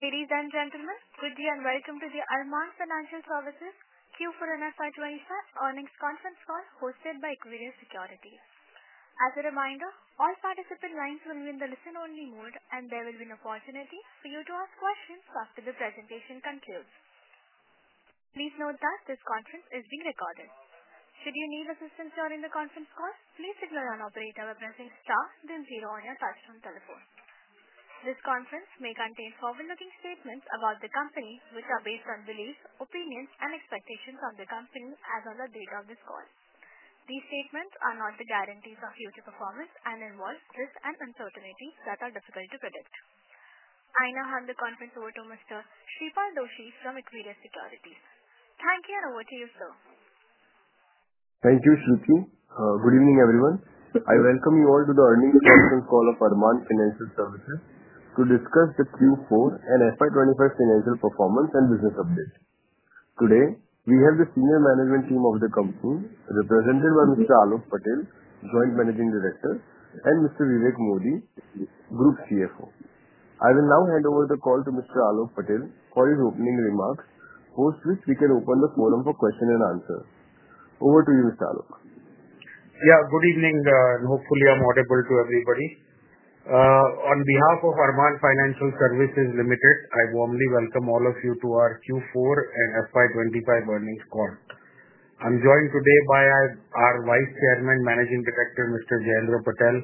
Ladies and gentlemen, good day and welcome to the Arman Financial Services Q4 and FY25 earnings conference call hosted by Equirus Securities. As a reminder, all participant lines will be in the listen-only mode, and there will be no opportunity for you to ask questions after the presentation concludes. Please note that this conference is being recorded. Should you need assistance during the conference call, please notify our operator by pressing star, then zero on your touch-tone telephone. This conference may contain forward-looking statements about the company, which are based on beliefs, opinions, and expectations of the company as of the date of this call. These statements are not the guarantees of future performance and involve risks and uncertainties that are difficult to predict. I now hand the conference over to Mr. Shreepal Doshi from Equirus Securities. Thank you, and over to you, sir. Thank you, Shruti. Good evening, everyone. I welcome you all to the earnings conference call of Arman Financial Services to discuss the Q4 and FY25 financial performance and business update. Today, we have the senior management team of the company represented by Mr. Aalok Patel, Joint Managing Director, and Mr. Vivek Modi, Group CFO. I will now hand over the call to Mr. Aalok Patel for his opening remarks, post which we can open the forum for question and answer. Over to you, Mr. Aalok. Yeah, good evening, and hopefully I'm audible to everybody. On behalf of Arman Financial Services Limited, I warmly welcome all of you to our Q4 and FY25 earnings call. I'm joined today by our Vice Chairman, Managing Director, Mr. Jayendra Patel,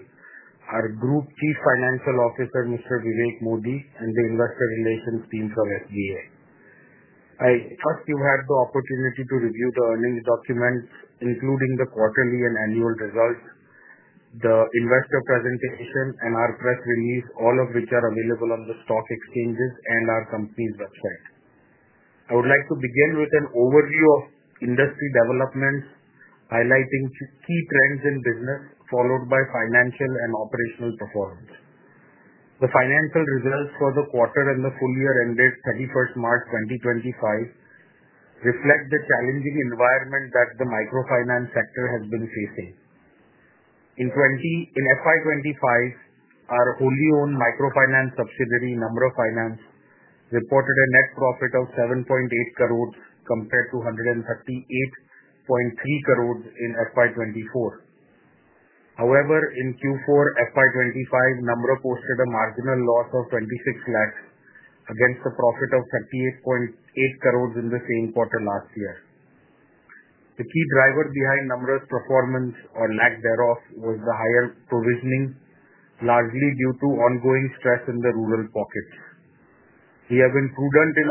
our Group Chief Financial Officer, Mr. Vivek Modi, and the Investor Relations Team from SBA. I trust you had the opportunity to review the earnings documents, including the quarterly and annual results, the investor presentation, and our press release, all of which are available on the stock exchanges and our company's website. I would like to begin with an overview of industry developments, highlighting key trends in business, followed by financial and operational performance. The financial results for the quarter and the full year ended 31st March 2025 reflect the challenging environment that the microfinance sector has been facing. In FY25, our wholly-owned microfinance subsidiary, Namra Finance, reported a net profit of 7.8 crores compared to 138.3 crores in FY24. However, in Q4 FY25, Namra posted a marginal loss of 26 lakhs against a profit of 38.8 crores in the same quarter last year. The key driver behind Namra's performance, or lack thereof, was the higher provisioning, largely due to ongoing stress in the rural pockets. We have been prudent in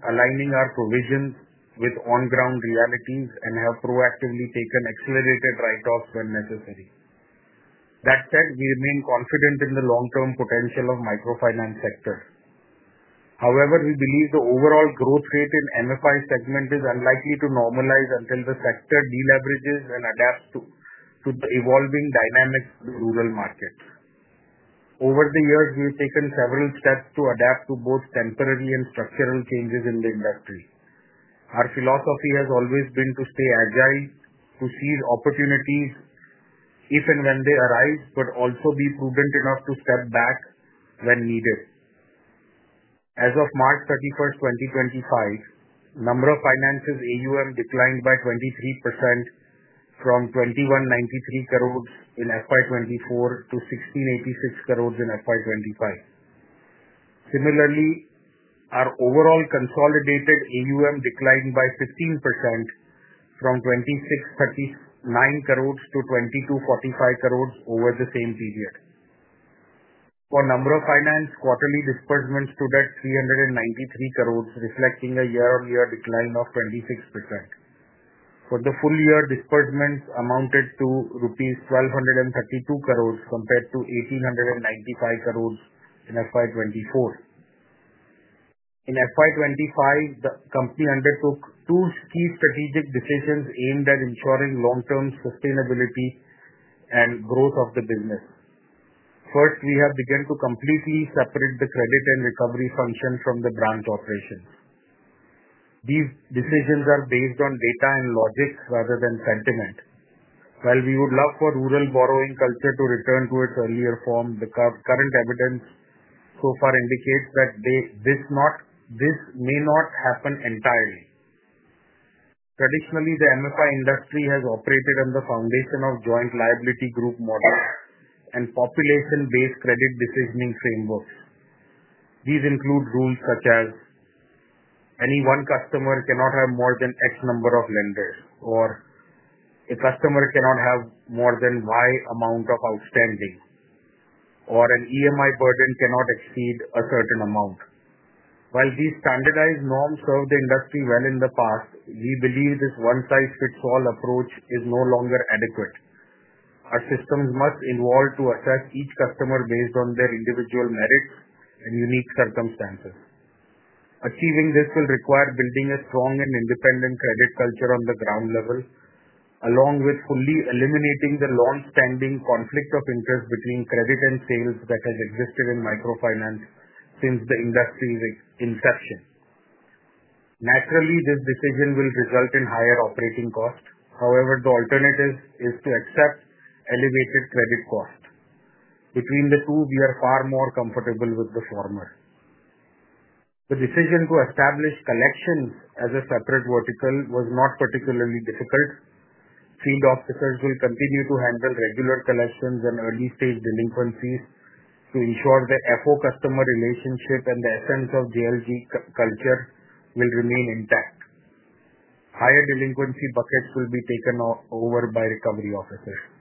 aligning our provision with on-ground realities and have proactively taken accelerated write-offs when necessary. That said, we remain confident in the long-term potential of the microfinance sector. However, we believe the overall growth rate in the MFI segment is unlikely to normalize until the sector deleverages and adapts to the evolving dynamics of the rural market. Over the years, we have taken several steps to adapt to both temporary and structural changes in the industry. Our philosophy has always been to stay agile, to seize opportunities if and when they arise, but also be prudent enough to step back when needed. As of March 31, 2025, Namra Finance's AUM declined by 23% from 2,193 crores in FY2024 to 1,686 crores in FY2025. Similarly, our overall consolidated AUM declined by 15% from 2,639 crores to 2,245 crores over the same period. For Namra Finance, quarterly disbursements stood at INR 393 cores reflecting a year-on-year decline of 26%. For the full year, disbursements amounted to rupees 1,232 crores compared to 1,895 crores in FY2024. In FY2025, the company undertook two key strategic decisions aimed at ensuring long-term sustainability and growth of the business. First, we have begun to completely separate the credit and recovery function from the branch operations. These decisions are based on data and logic rather than sentiment. While we would love for rural borrowing culture to return to its earlier form, the current evidence so far indicates that this may not happen entirely. Traditionally, the MFI industry has operated on the foundation of joint liability group models and population-based credit decisioning frameworks. These include rules such as, "Any one customer cannot have more than X number of lenders," or, "A customer cannot have more than Y amount of outstanding," or, "An EMI burden cannot exceed a certain amount." While these standardized norms served the industry well in the past, we believe this one-size-fits-all approach is no longer adequate. Our systems must evolve to assess each customer based on their individual merits and unique circumstances. Achieving this will require building a strong and independent credit culture on the ground level, along with fully eliminating the long-standing conflict of interest between credit and sales that has existed in microfinance since the industry's inception. Naturally, this decision will result in higher operating costs. However, the alternative is to accept elevated credit cost. Between the two, we are far more comfortable with the former. The decision to establish collections as a separate vertical was not particularly difficult. Field officers will continue to handle regular collections and early-stage delinquencies to ensure the FO customer relationship and the essence of JLG culture will remain intact. Higher delinquency buckets will be taken over by recovery officers.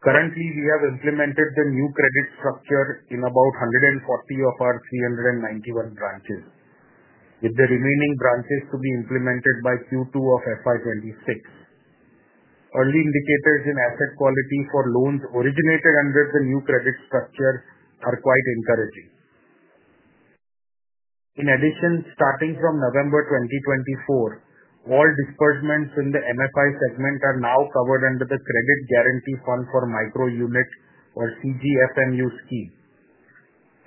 Currently, we have implemented the new credit structure in about 140 of our 391 branches, with the remaining branches to be implemented by Q2 of FY26. Early indicators in asset quality for loans originated under the new credit structure are quite encouraging. In addition, starting from November 2024, all disbursements in the MFI segment are now covered under the Credit Guarantee Fund Scheme for Micro Units or CGFMU scheme.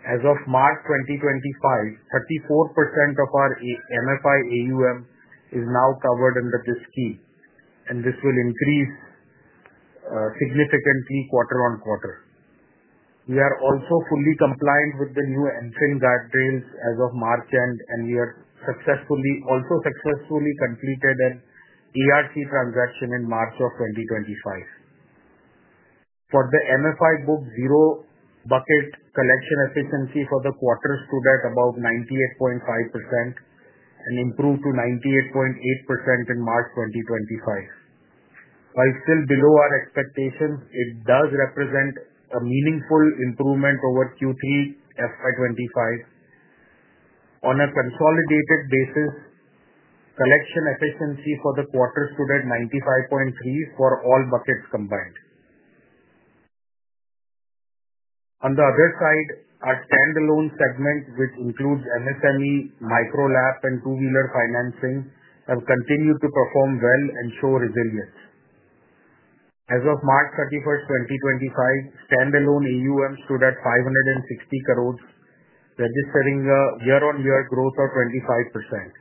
As of March 2025, 34% of our MFI AUM is now covered under this scheme, and this will increase significantly quarter on quarter. We are also fully compliant with the new entry guardrails as of March end, and we have also successfully completed an ERC transaction in March of 2025. For the MFI book, zero bucket collection efficiency for the quarter stood at about 98.5% and improved to 98.8% in March 2025. While still below our expectations, it does represent a meaningful improvement over Q3 FY25. On a consolidated basis, collection efficiency for the quarter stood at 95.3% for all buckets combined. On the other side, our standalone segment, which includes MSME, Micro LAP, and Two-Wheeler Financing, have continued to perform well and show resilience. As of March 31, 2025, standalone AUM stood at 560 million, registering a year-on-year growth of 25%.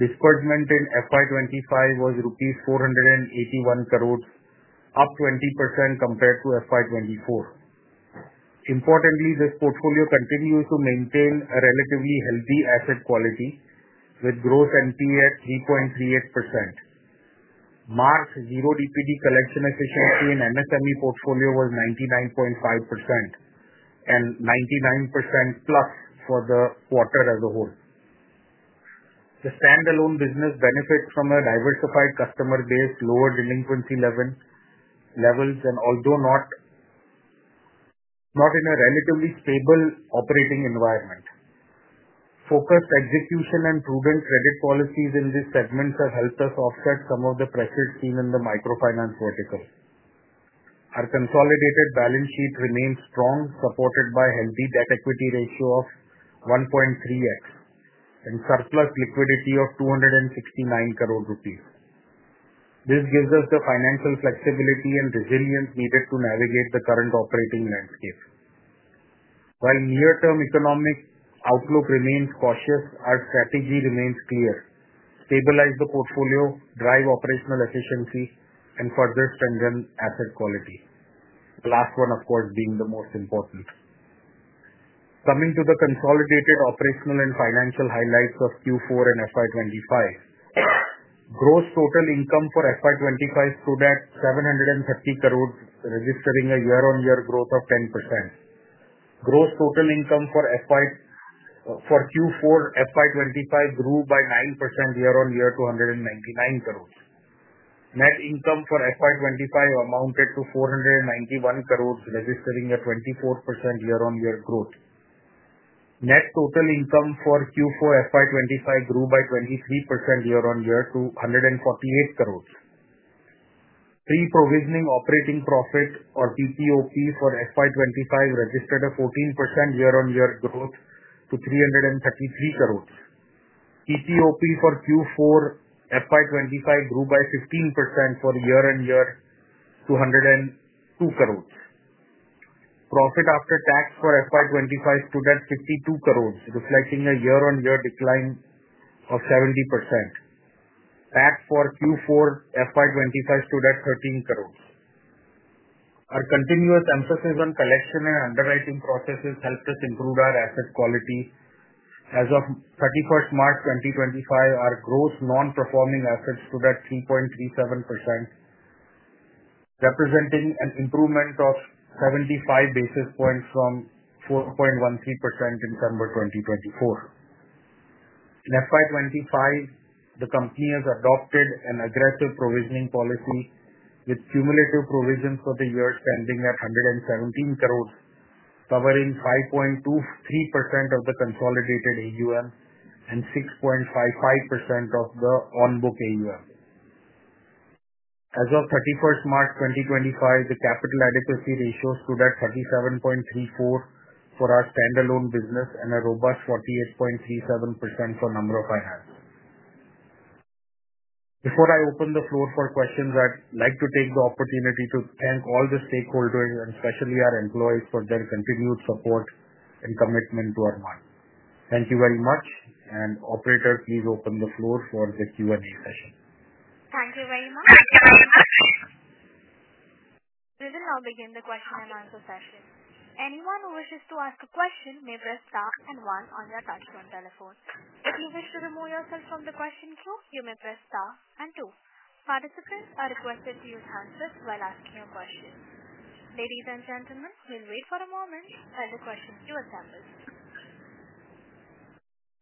Disbursement in FY25 was 481 crores, up 20% compared to FY24. Importantly, this portfolio continues to maintain a relatively healthy asset quality, with gross NPA at 3.38%. March zero-DPD collection efficiency in MSME portfolio was 99.5% and 99% plus for the quarter as a whole. The standalone business benefits from a diversified customer base, lower delinquency levels, and although not in a relatively stable operating environment, focused execution and prudent credit policies in these segments have helped us offset some of the pressures seen in the microfinance vertical. Our consolidated balance sheet remains strong, supported by a healthy debt-equity ratio of 1.3x and surplus liquidity of 269 crores rupees. This gives us the financial flexibility and resilience needed to navigate the current operating landscape. While near-term economic outlook remains cautious, our strategy remains clear: stabilize the portfolio, drive operational efficiency, and further strengthen asset quality, the last one, of course, being the most important. Coming to the consolidated operational and financial highlights of Q4 and FY25, gross total income for FY25 stood at 730 crores, registering a year-on-year growth of 10%. Gross total income for Q4 FY25 grew by 9% year-on-year to 199 crores. Net income for FY25 amounted to 491 crores registering a 24% year-on-year growth. Net total income for Q4 FY25 grew by 23% year-on-year to 148 crores. Pre-provisioning operating profit or PPOP for FY25 registered a 14% year-on-year growth to 333 crores. PPOP for Q4 FY25 grew by 15% year-on-year to 102 crores. Profit after tax for FY25 stood at 52 crores, reflecting a year-on-year decline of 70%. Tax for Q4 FY25 stood at 13 crores. Our continuous emphasis on collection and underwriting processes helped us improve our asset quality. As of 31st March 2025, our gross non-performing assets stood at 3.37%, representing an improvement of 75 basis points from 4.13% in December 2024. In FY25, the company has adopted an aggressive provisioning policy, with cumulative provisions for the year standing at 117 crores, covering 5.23% of the consolidated AUM and 6.55% of the on-book AUM. As of 31st March 2025, the capital adequacy ratio stood at 37.34% for our standalone business and a robust 48.37% for Namra Finance. Before I open the floor for questions, I'd like to take the opportunity to thank all the stakeholders and especially our employees for their continued support and commitment to Arman. Thank you very much. Operator, please open the floor for the Q&A session. Thank you very much. We will now begin the question and answer session. Anyone who wishes to ask a question may press star and one on their touch phone telephone. If you wish to remove yourself from the question queue, you may press star and two. Participants are requested to use handsets while asking a question. Ladies and gentlemen, we'll wait for a moment while the question queue assembles.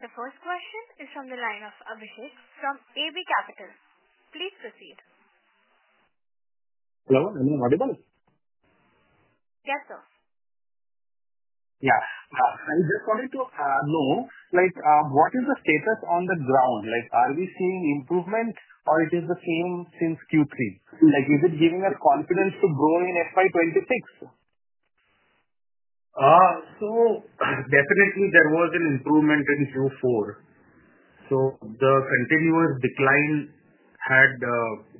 The first question is from the line of Abhishek from AB Capital. Please proceed. Hello. I'm inaudible. Yes, sir. Yeah. I just wanted to know, what is the status on the ground? Are we seeing improvement, or is it the same since Q3? Is it giving us confidence to grow in FY26? Definitely, there was an improvement in Q4. The continuous decline had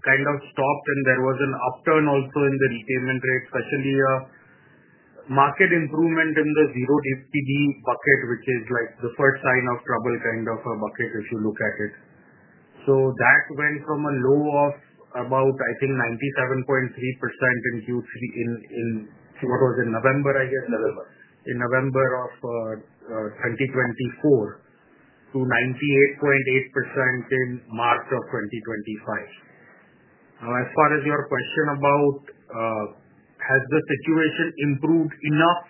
kind of stopped, and there was an upturn also in the repayment rate, especially a marked improvement in the zero-DPD bucket, which is the first sign of trouble kind of a bucket if you look at it. That went from a low of about, I think, 97.3% in Q3 in, what was it, November, I guess. November. In November of 2024 to 98.8% in March of 2025. Now, as far as your question about has the situation improved enough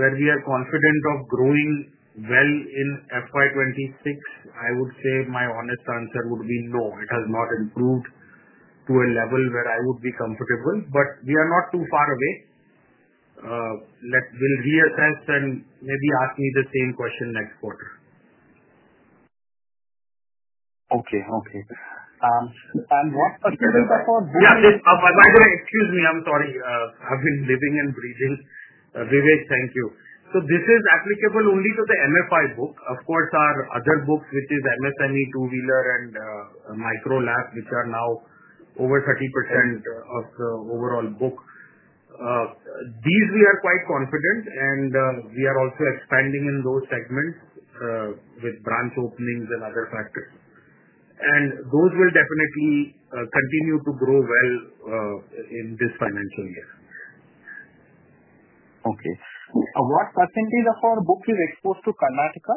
where we are confident of growing well in FY26, I would say my honest answer would be no. It has not improved to a level where I would be comfortable, but we are not too far away. We'll reassess and maybe ask me the same question next quarter. Okay. Okay. And one question is about. Vivek. Yeah. By the way, excuse me. I'm sorry. I've been living and breathing. Vivek, thank you. So this is applicable only to the MFI book. Of course, our other books, which is MSME, Two-Wheeler, and Micro LAP, which are now over 30% of the overall book, these we are quite confident, and we are also expanding in those segments with branch openings and other factors. Those will definitely continue to grow well in this financial year. Okay. What percentage of our book is exposed to Karnataka?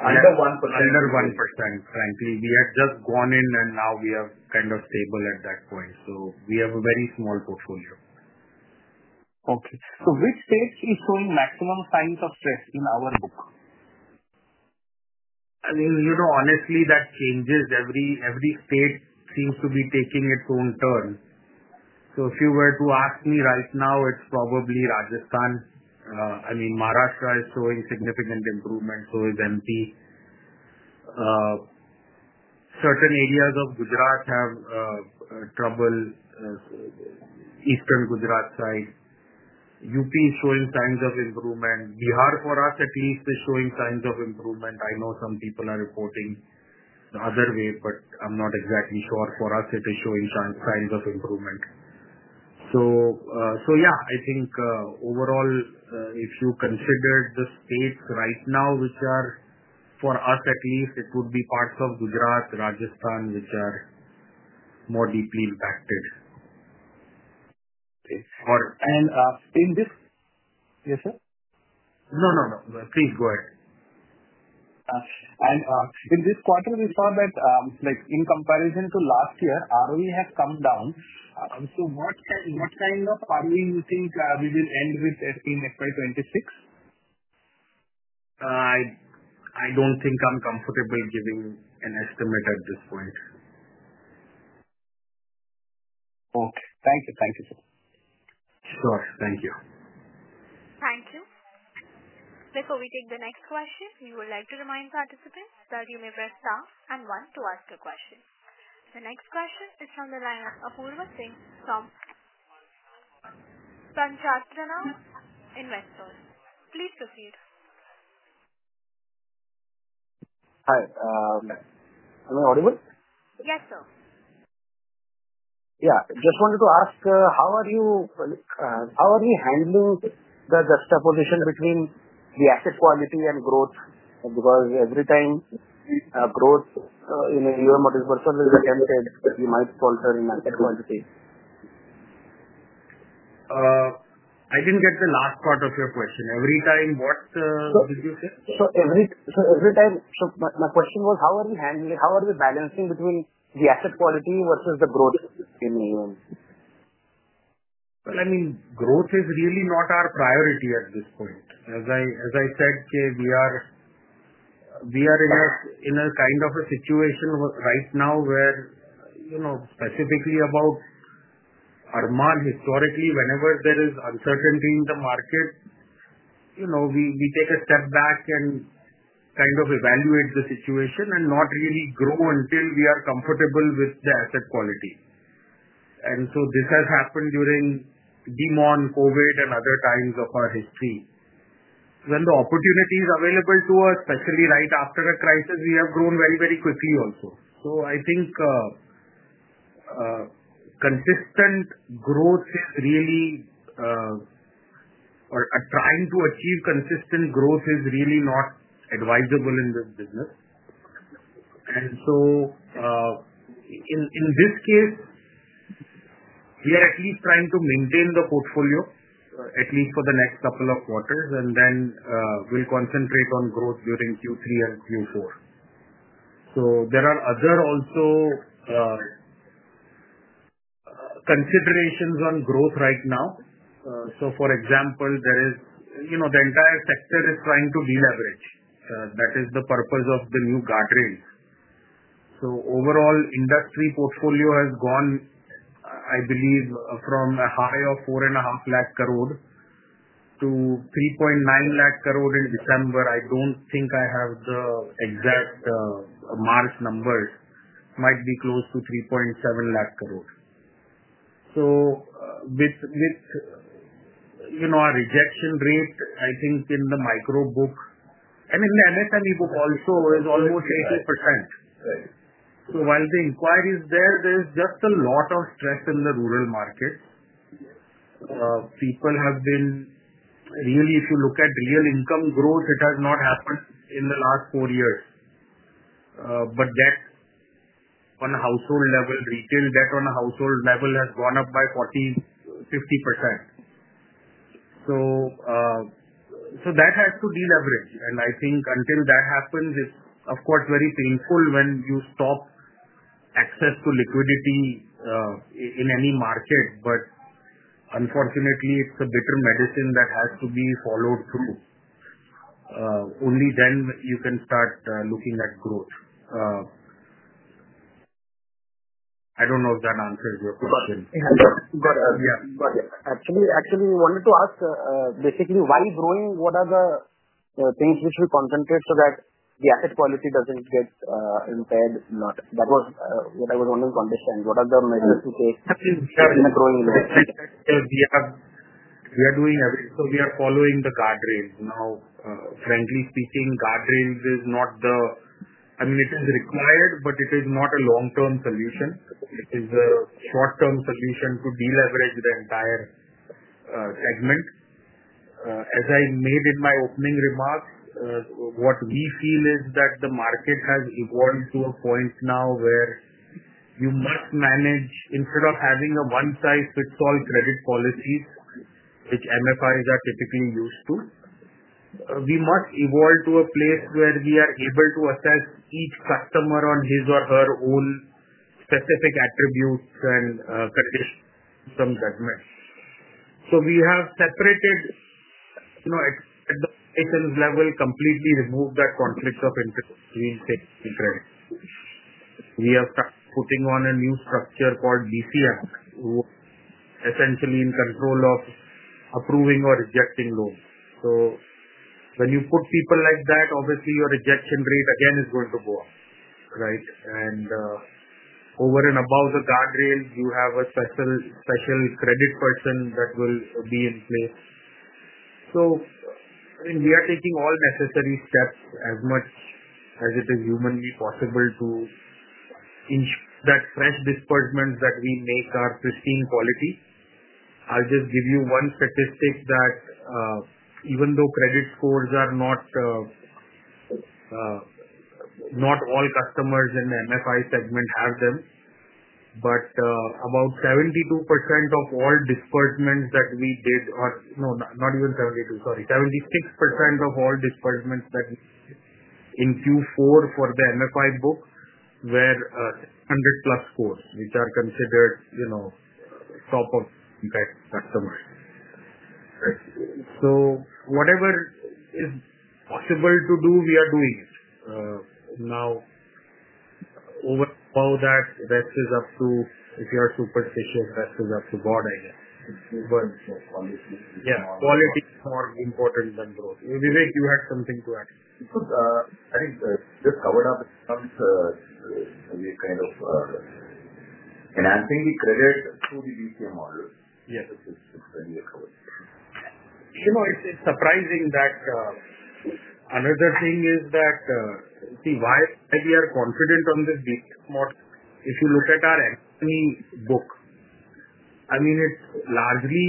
Under 1%. Under 1%, frankly. We had just gone in, and now we are kind of stable at that point. We have a very small portfolio. Okay. Which states is showing maximum signs of stress in our book? I mean, honestly, that changes. Every state seems to be taking its own turn. If you were to ask me right now, it's probably Rajasthan. I mean, Maharashtra is showing significant improvement, so is MP. Certain areas of Gujarat have trouble, eastern Gujarat side. UP is showing signs of improvement. Bihar, for us at least, is showing signs of improvement. I know some people are reporting the other way, but I'm not exactly sure. For us, it is showing signs of improvement. Yeah, I think overall, if you consider the states right now, which are for us at least, it would be parts of Gujarat, Rajasthan, which are more deeply impacted. Okay. In this. Yes, sir? No, no, no. Please go ahead. In this quarter, we saw that in comparison to last year, ROE has come down. What kind of ROE do you think we will end with in FY2026? I don't think I'm comfortable giving an estimate at this point. Okay. Thank you. Thank you, sir. Sure. Thank you. Thank you. Before we take the next question, we would like to remind participants that you may press star and one to ask a question. The next question is from the line of Apurva Singh from Sanchastrana Investors. Please proceed. Hi. Am I audible? Yes, sir. Yeah. Just wanted to ask, how are you handling the juxtaposition between the asset quality and growth? Because every time growth in a model portfolio is attempted, we might falter in asset quality. I didn't get the last part of your question. Every time, what did you say? My question was, how are we handling, how are we balancing between the asset quality versus the growth in AUM? Growth is really not our priority at this point. As I said, we are in a kind of a situation right now where specifically about Arman, historically, whenever there is uncertainty in the market, we take a step back and kind of evaluate the situation and not really grow until we are comfortable with the asset quality. This has happened during demon, COVID, and other times of our history. When the opportunity is available to us, especially right after a crisis, we have grown very, very quickly also. I think consistent growth is really or trying to achieve consistent growth is really not advisable in this business. In this case, we are at least trying to maintain the portfolio at least for the next couple of quarters, and then we'll concentrate on growth during Q3 and Q4. There are other also considerations on growth right now. For example, the entire sector is trying to deleverage. That is the purpose of the new guardrails. Overall, industry portfolio has gone, I believe, from a high of 4.5 lakh crore to 3.9 lakh crore in December. I don't think I have the exact March numbers. It might be close to 3.7 lakh crore. With our rejection rate, I think in the micro book, and in the MSME book also, is almost 80%. While the inquiries are there, there is just a lot of stress in the rural markets. People have been really, if you look at real income growth, it has not happened in the last four years. Retail debt on a household level has gone up by 40%-50%. That has to deleverage. I think until that happens, it is, of course, very painful when you stop access to liquidity in any market. Unfortunately, it is a bitter medicine that has to be followed through. Only then you can start looking at growth. I do not know if that answers your question. Yeah. Actually, we wanted to ask basically, while growing, what are the things which we concentrate so that the asset quality does not get impaired? That was what I was wanting to understand. What are the measures to take in the growing? We are doing everything. We are following the guardrails. Now, frankly speaking, guardrails is not the, I mean, it is required, but it is not a long-term solution. It is a short-term solution to deleverage the entire segment. As I made in my opening remarks, what we feel is that the market has evolved to a point now where you must manage instead of having a one-size-fits-all credit policies, which MFIs are typically used to, we must evolve to a place where we are able to assess each customer on his or her own specific attributes and conditions, some judgment. We have separated at the patient's level, completely removed that conflict of interest between patient and credit. We have started putting on a new structure called BCM, essentially in control of approving or rejecting loans. When you put people like that, obviously, your rejection rate again is going to go up, right? Over and above the guardrails, you have a special credit person that will be in place. We are taking all necessary steps as much as it is humanly possible to ensure that fresh disbursements that we make are pristine quality. I'll just give you one statistic that even though credit scores are not all customers in the MFI segment have them, but about 72% of all disbursements that we did or no, not even 72, sorry, 76% of all disbursements that in Q4 for the MFI book were 100+ scores, which are considered top-of-impact customers. So whatever is possible to do, we are doing it. Now, over how that rests is up to, if you are superstitious, that is up to God, I guess. But quality is more important than growth. Vivek, you had something to add. I think just covered up in terms of maybe kind of enhancing the credit through the BCM model. It's surprising that another thing is that see why we are confident on the BCM model. If you look at our MSME book, I mean, it's largely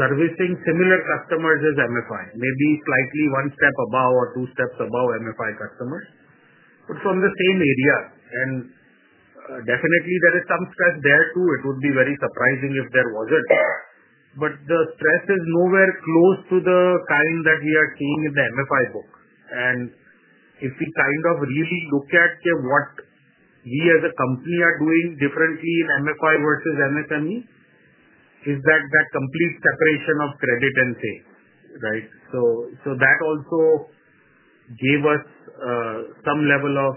servicing similar customers as MFI, maybe slightly one step above or two steps above MFI customers, but from the same area. Definitely, there is some stress there too. It would be very surprising if there wasn't. The stress is nowhere close to the kind that we are seeing in the MFI book. If we kind of really look at what we as a company are doing differently in MFI versus MSME, it is that complete separation of credit and pay, right? That also gave us some level of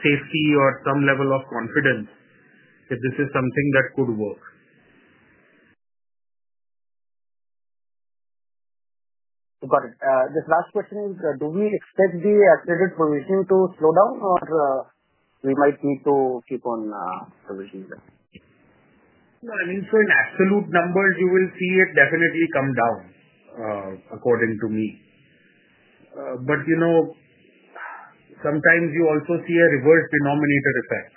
safety or some level of confidence that this is something that could work. Got it. This last question is, do we expect the credit provision to slow down, or we might need to keep on provisioning them? I mean, so in absolute numbers, you will see it definitely come down, according to me. Sometimes you also see a reverse denominator effect.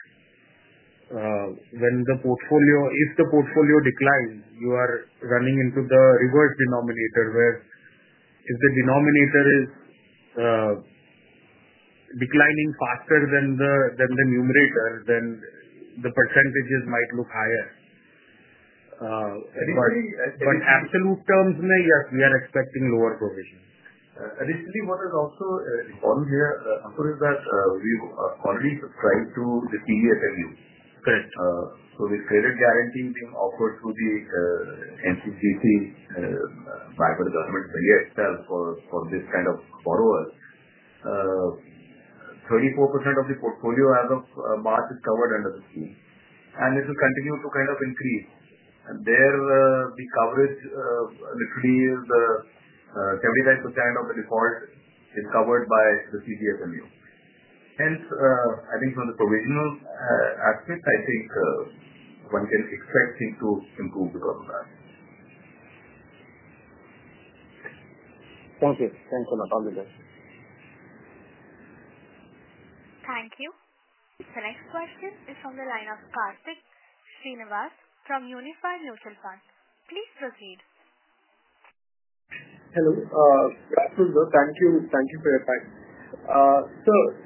When the portfolio, if the portfolio declines, you are running into the reverse denominator where if the denominator is declining faster than the numerator, then the percentages might look higher. In absolute terms, yes, we are expecting lower provision. Additionally, what has also evolved here, Apur, is that we've already subscribed to the TVSLU. With credit guarantees being offered through the MCGC, Vibor government, VIXL for this kind of borrowers, 34% of the portfolio as of March is covered under the scheme. It will continue to kind of increase. There, the coverage literally is 75% of the default is covered by the CGFMU. Hence, I think from the provisional aspect, I think one can expect things to improve because of that. Thank you. Thanks a lot. All the best. Thank you. The next question is from the line of Karthik Srinivas from Unifi Mutual Fund. Please proceed. Hello. Thank you for your time.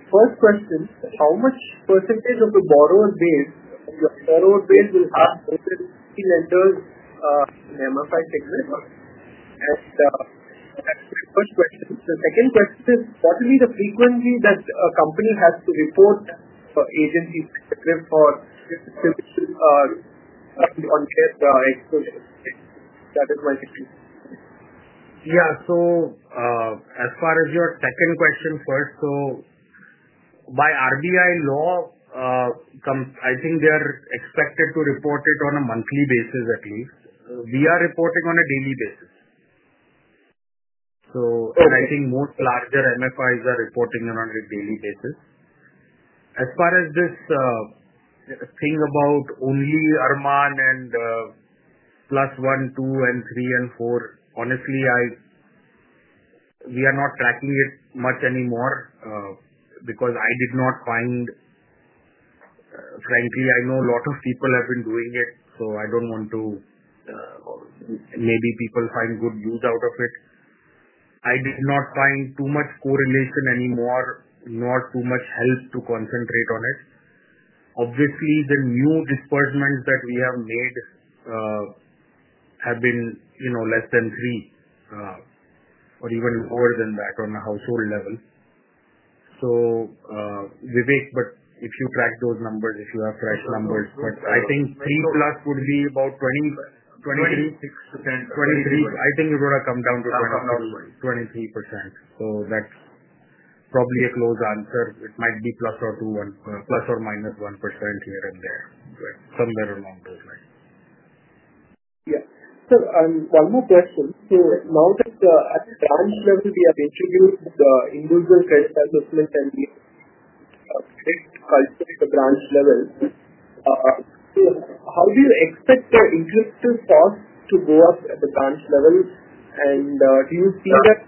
First question, how much % of the borrower base or your borrower base will have more than 50 lenders in the MFI segment? That is my first question. The second question is, what will be the frequency that a company has to report, that agencies for on their exposure? That is my question. Yeah. As far as your second question first, by RBI law, I think they are expected to report it on a monthly basis at least. We are reporting on a daily basis. I think most larger MFIs are reporting on a daily basis. As far as this thing about only Arman and plus one, two, and three, and four, honestly, we are not tracking it much anymore because I did not find, frankly, I know a lot of people have been doing it, so I do not want to, maybe people find good news out of it. I did not find too much correlation anymore, nor too much help to concentrate on it. Obviously, the new disbursements that we have made have been less than three or even more than that on a household level. So Vivek, but if you track those numbers, if you have fresh numbers, but I think three plus would be about 23%-26%. I think it would have come down to 23%. That is probably a close answer. It might be plus or minus 1% here and there, somewhere along those lines. Yeah. One more question. Now that at the branch level, we have introduced the individual credit assessment and the credit culture at the branch level, how do you expect the interest rate cost to go up at the branch level? Do you see that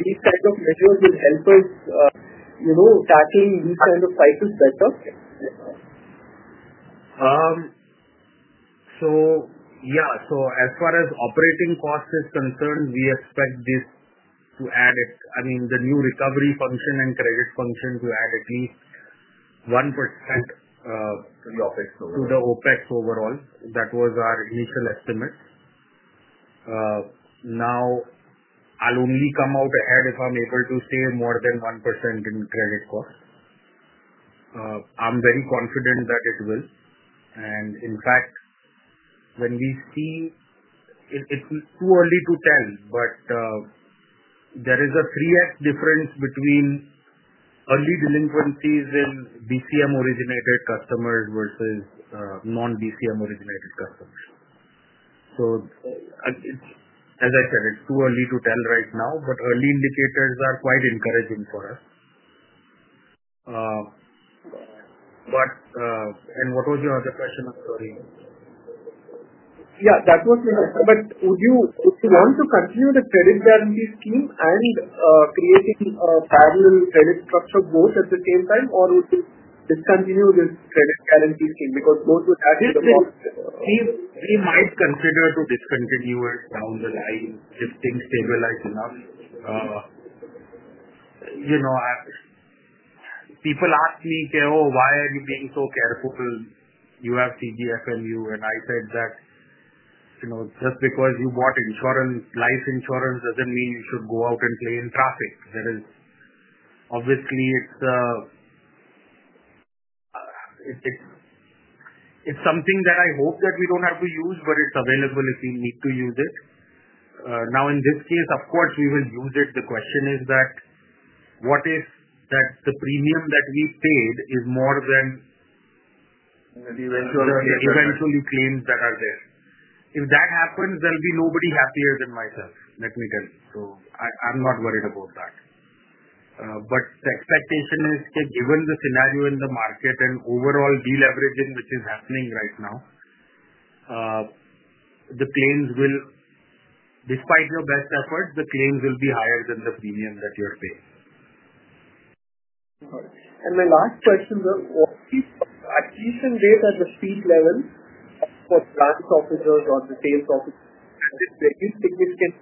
these kinds of measures will help us tackling these kinds of cycles better? Yeah. As far as operating cost is concerned, we expect this to add, I mean, the new recovery function and credit function to add at least 1% to the OpEx overall. That was our initial estimate. Now, I'll only come out ahead if I'm able to save more than 1% in credit cost. I'm very confident that it will. In fact, when we see, it's too early to tell, but there is a 3x difference between early delinquencies in BCM-originated customers versus non-BCM-originated customers. As I said, it's too early to tell right now, but early indicators are quite encouraging for us. What was your other question? I'm sorry. Yeah. Would you want to continue the credit guarantee scheme and create a parallel credit structure both at the same time, or would you discontinue this credit guarantee scheme? Because both would add to the cost. We might consider to discontinue it down the line if things stabilize enough. People ask me, "Oh, why are you being so careful? You have CGFMU." I said that just because you bought insurance, life insurance, doesn't mean you should go out and play in traffic. Obviously, it's something that I hope that we don't have to use, but it's available if we need to use it. In this case, of course, we will use it. The question is that what if the premium that we paid is more than the eventual claims that are there? If that happens, there'll be nobody happier than myself, let me tell you. I'm not worried about that. The expectation is, given the scenario in the market and overall deleveraging which is happening right now, the claims will, despite your best efforts, be higher than the premium that you're paying. My last question is, what is the attrition rate at the state level for grants officers or the sales officers? Is it very significant?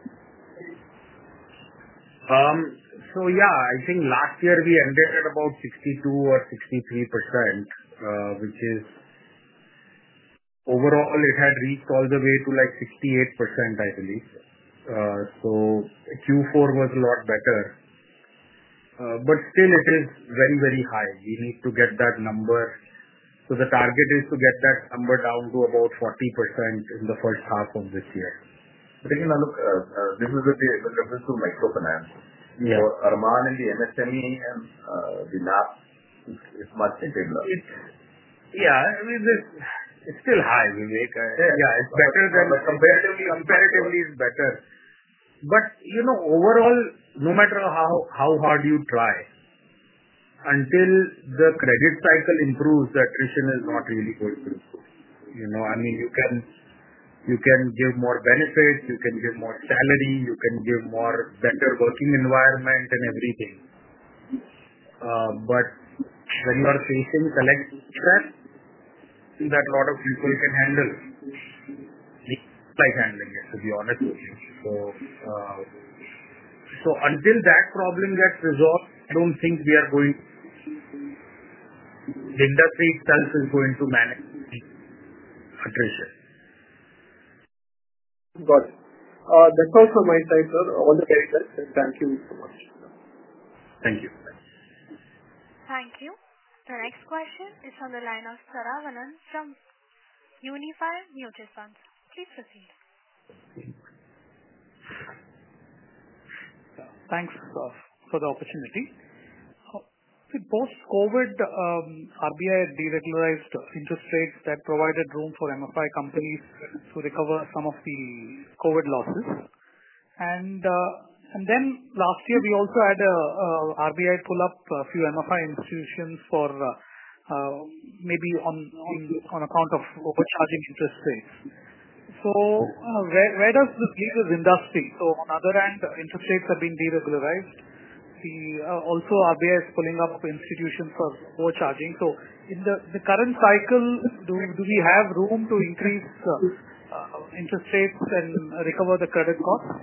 I think last year we ended at about 62% or 63%, which is overall, it had reached all the way to like 68%, I believe. Q4 was a lot better. It is still very, very high. We need to get that number. The target is to get that number down to about 40% in the first half of this year. Again, look, this is with the difference to microfinance. For Arman in the MSME and Vinax, it's much stabilized. Yeah. I mean, it's still high, Vivek. Yeah. It's better than, comparatively better. Overall, no matter how hard you try, until the credit cycle improves, the attrition is not really going to improve. I mean, you can give more benefits, you can give more salary, you can give a better working environment and everything. When you are facing collective stress, I think that a lot of people can handle it. They like handling it, to be honest with you. Until that problem gets resolved, I don't think we are going to, the industry itself is going to manage attrition. Got it. That's all from my side, sir. All the very best, and thank you so much. Thank you. The next question is from the line of Saravanan V N from Unifi Mutual Funds. Please proceed. Thanks for the opportunity. With post-COVID, RBI deregularized interest rates that provided room for MFI companies to recover some of the COVID losses. Last year, we also had RBI pull up a few MFI institutions for maybe on account of overcharging interest rates. Where does this leave this industry? On the other hand, interest rates have been deregularized. Also, RBI is pulling up institutions for overcharging. In the current cycle, do we have room to increase interest rates and recover the credit costs?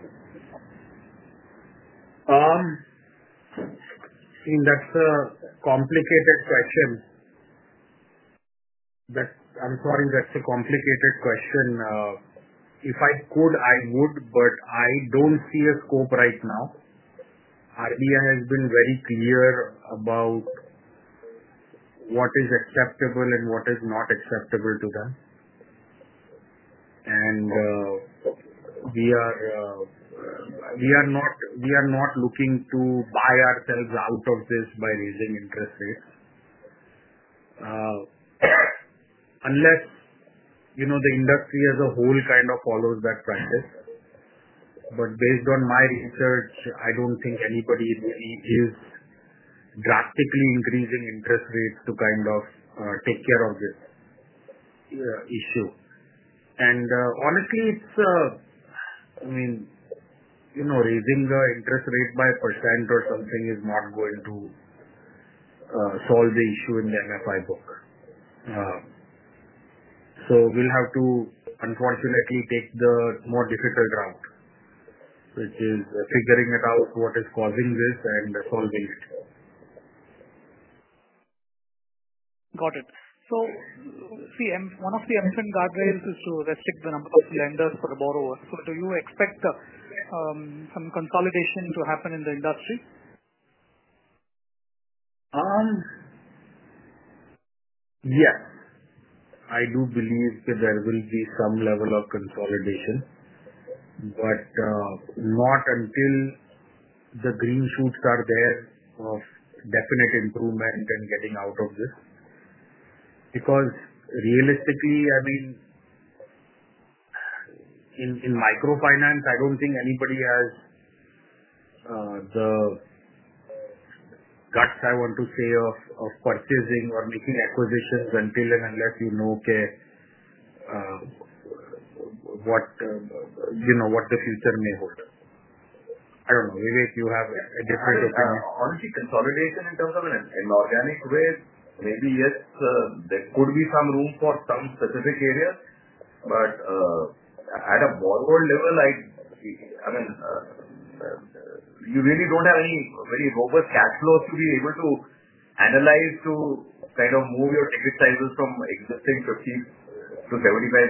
I mean, that's a complicated question. I'm sorry, that's a complicated question. If I could, I would, but I don't see a scope right now. RBI has been very clear about what is acceptable and what is not acceptable to them. We are not looking to buy ourselves out of this by raising interest rates unless the industry as a whole kind of follows that practice. Based on my research, I do not think anybody really is drastically increasing interest rates to kind of take care of this issue. Honestly, I mean, raising the interest rate by a percent or something is not going to solve the issue in the MFI book. We will have to, unfortunately, take the more difficult route, which is figuring out what is causing this and solving it. Got it. One of the MFI guardrails is to restrict the number of lenders for the borrowers. Do you expect some consolidation to happen in the industry? Yes. I do believe that there will be some level of consolidation, but not until the green shoots are there of definite improvement and getting out of this. Because realistically, I mean, in microfinance, I don't think anybody has the guts, I want to say, of purchasing or making acquisitions until and unless you know what the future may hold. I don't know. Vivek, you have a different opinion. Honestly, consolidation in terms of an organic way, maybe yes, there could be some room for some specific areas. At a borrower level, I mean, you really don't have any very robust cash flows to be able to analyze to kind of move your exit sizes from existing 50-75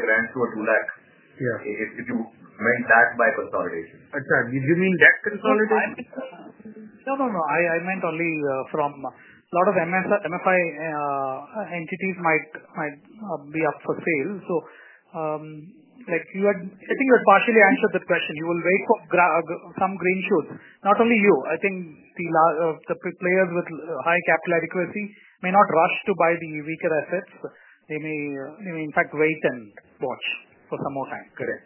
grand to 200,000 if you meant that by consolidation. I'm sorry. Did you mean debt consolidation? No, no, no. I meant only from a lot of MFI entities might be up for sale. I think you have partially answered the question. You will wait for some green shoots. Not only you. I think the players with high capital adequacy may not rush to buy the weaker assets. They may, in fact, wait and watch for some more time. Correct.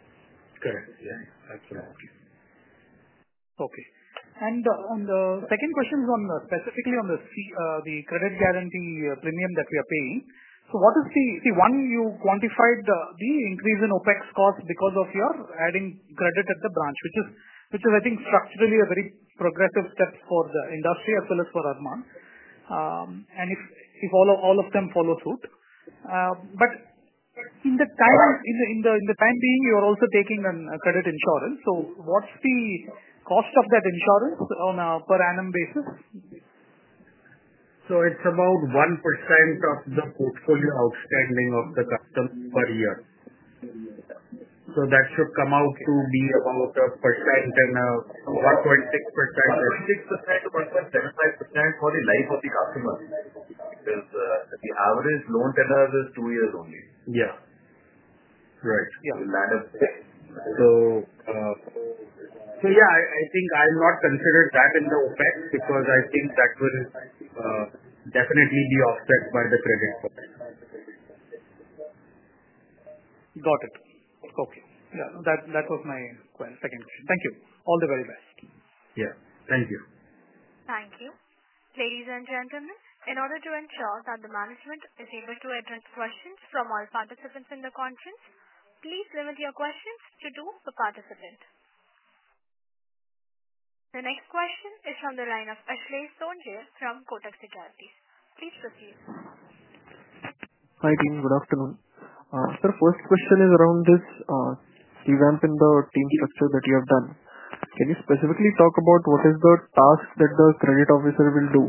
Correct. Yeah. That's right. Okay. The second question is specifically on the credit guarantee premium that we are paying. What is the one you quantified, the increase in OpEx cost because of your adding credit at the branch, which is, I think, structurally a very progressive step for the industry as well as for Arman. If all of them follow suit. In the time being, you are also taking credit insurance. What's the cost of that insurance on a per annum basis? It's about 1% of the portfolio outstanding of the customer per year. That should come out to be about 1% and 1.6%. 1.6%, 1.75% for the life of the customer because the average loan tenor is two years only. Yeah. Right. I think I'll not consider that in the OpEx because I think that will definitely be offset by the credit cost. Got it. Okay. That was my second question. Thank you. All the very best. Thank you. Thank you. Ladies and gentlemen, in order to ensure that the management is able to address questions from all participants in the conference, please limit your questions to two per participant. The next question is from the line of Ashlesh Sonje from Kotak Securities. Please proceed. Hi team. Good afternoon. Sir, first question is around this revamp in the team structure that you have done. Can you specifically talk about what is the task that the credit officer will do?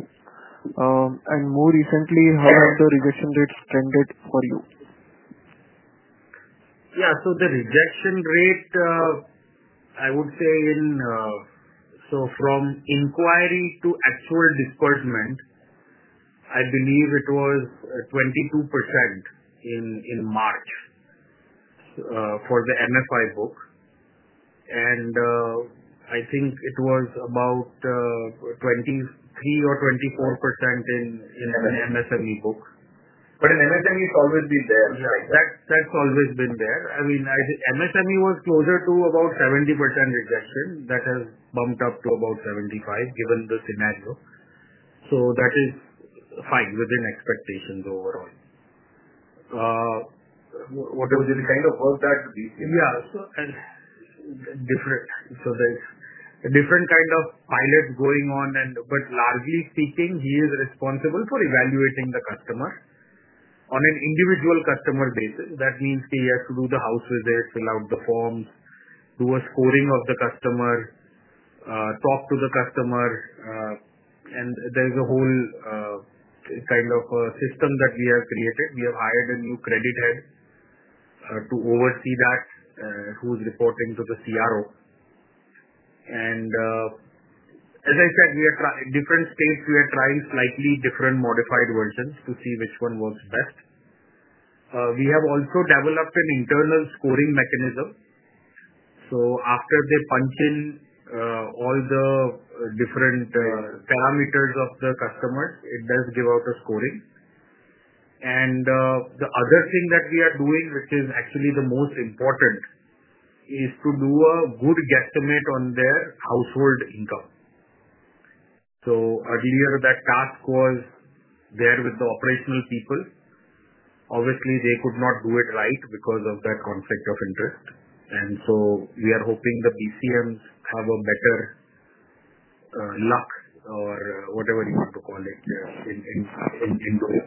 And more recently, how have the rejection rates trended for you? Yeah. So the rejection rate, I would say, so from inquiry to actual disbursement, I believe it was 22% in March for the MFI book. And I think it was about 23% or 24% in the MSME book. But in MSME, it's always been there. That's always been there. I mean, MSME was closer to about 70% rejection. That has bumped up to about 75% given the scenario. That is fine within expectations overall. Would you kind of work that? Yeah. There's a different kind of pilot going on. But largely speaking, he is responsible for evaluating the customer on an individual customer basis. That means he has to do the house visits, fill out the forms, do a scoring of the customer, talk to the customer. There is a whole kind of system that we have created. We have hired a new credit head to oversee that, who is reporting to the CRO. As I said, different states, we are trying slightly different modified versions to see which one works best. We have also developed an internal scoring mechanism. After they punch in all the different parameters of the customers, it does give out a scoring. The other thing that we are doing, which is actually the most important, is to do a good guesstimate on their household income. Earlier, that task was there with the operational people. Obviously, they could not do it right because of that conflict of interest. We are hoping the BCMs have better luck or whatever you want to call it in doing.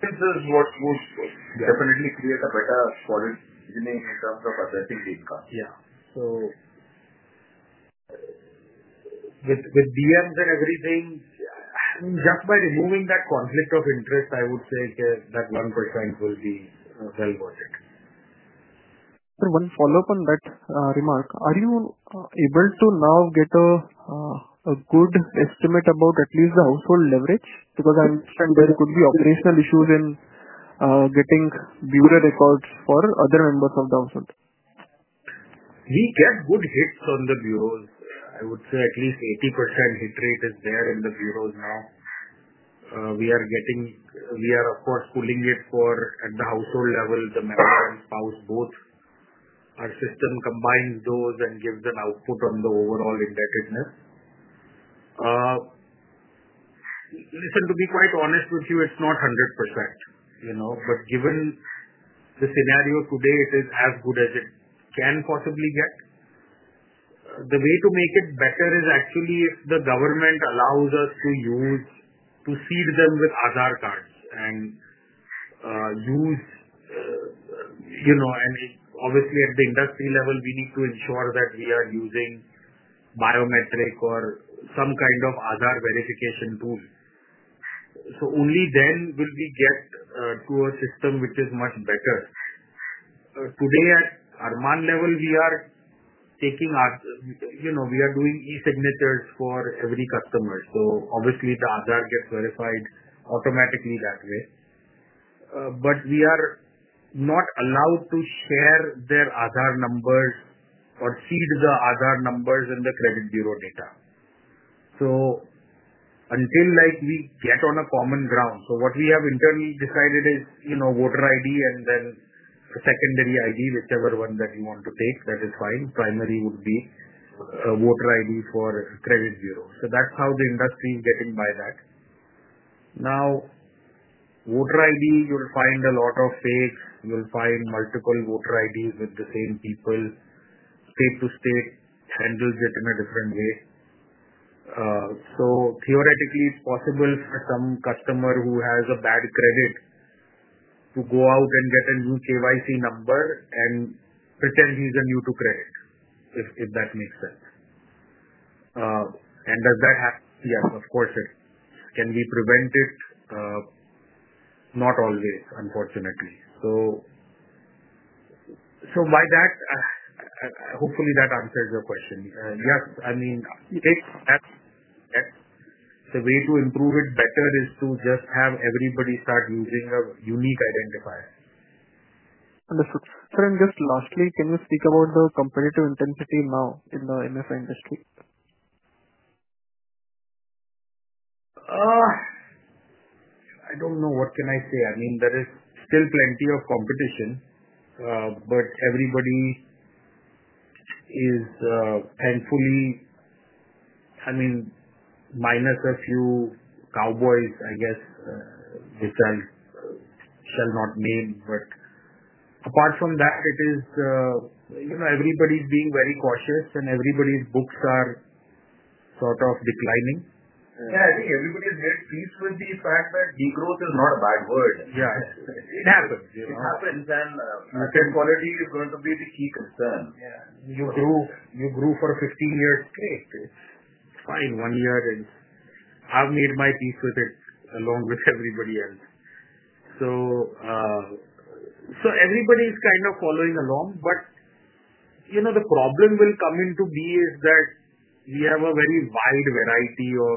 This is what would definitely create a better quality in terms of assessing the income. Yeah. With DMs and everything, just by removing that conflict of interest, I would say that 1% will be well worth it. One follow-up on that remark. Are you able to now get a good estimate about at least the household leverage? Because I understand there could be operational issues in getting bureau records for other members of the household. We get good hits on the bureaus. I would say at least 80% hit rate is there in the bureaus now. We are, of course, pulling it for at the household level, the manager and spouse both. Our system combines those and gives an output on the overall indebtedness. Listen, to be quite honest with you, it's not 100%. Given the scenario today, it is as good as it can possibly get. The way to make it better is actually if the government allows us to seed them with Aadhaar cards and use, and obviously at the industry level, we need to ensure that we are using biometric or some kind of Aadhaar verification tool. Only then will we get to a system which is much better. Today, at Arman level, we are doing e-signatures for every customer. Obviously, the Aadhaar gets verified automatically that way. We are not allowed to share their Aadhaar numbers or seed the Aadhaar numbers in the credit bureau data. Until we get on a common ground. What we have internally decided is voter ID and then a secondary ID, whichever one that you want to take, that is fine. Primary would be a voter ID for credit bureau. That is how the industry is getting by that. Now, voter ID, you will find a lot of fakes. You will find multiple voter IDs with the same people. State to state handles it in a different way. Theoretically, it is possible for some customer who has a bad credit to go out and get a new KYC number and pretend he is a new-to-credit, if that makes sense. Does that happen? Yes, of course. Can we prevent it? Not always, unfortunately. Hopefully, that answers your question. Yes. I mean, the way to improve it better is to just have everybody start using a unique identifier. Understood. Sir, and just lastly, can you speak about the competitive intensity now in the MFI industry? I do not know. What can I say? I mean, there is still plenty of competition, but everybody is thankfully, I mean, minus a few cowboys, I guess, which I shall not name. Apart from that, everybody is being very cautious and everybody's books are sort of declining. Yeah. I think everybody has made peace with the fact that degrowth is not a bad word. It happens. It happens. Asset quality is going to be the key concern. You grew for 15 years. Okay. Fine. One year is, I have made my peace with it along with everybody else. Everybody is kind of following along. The problem will come into be is that we have a very wide variety of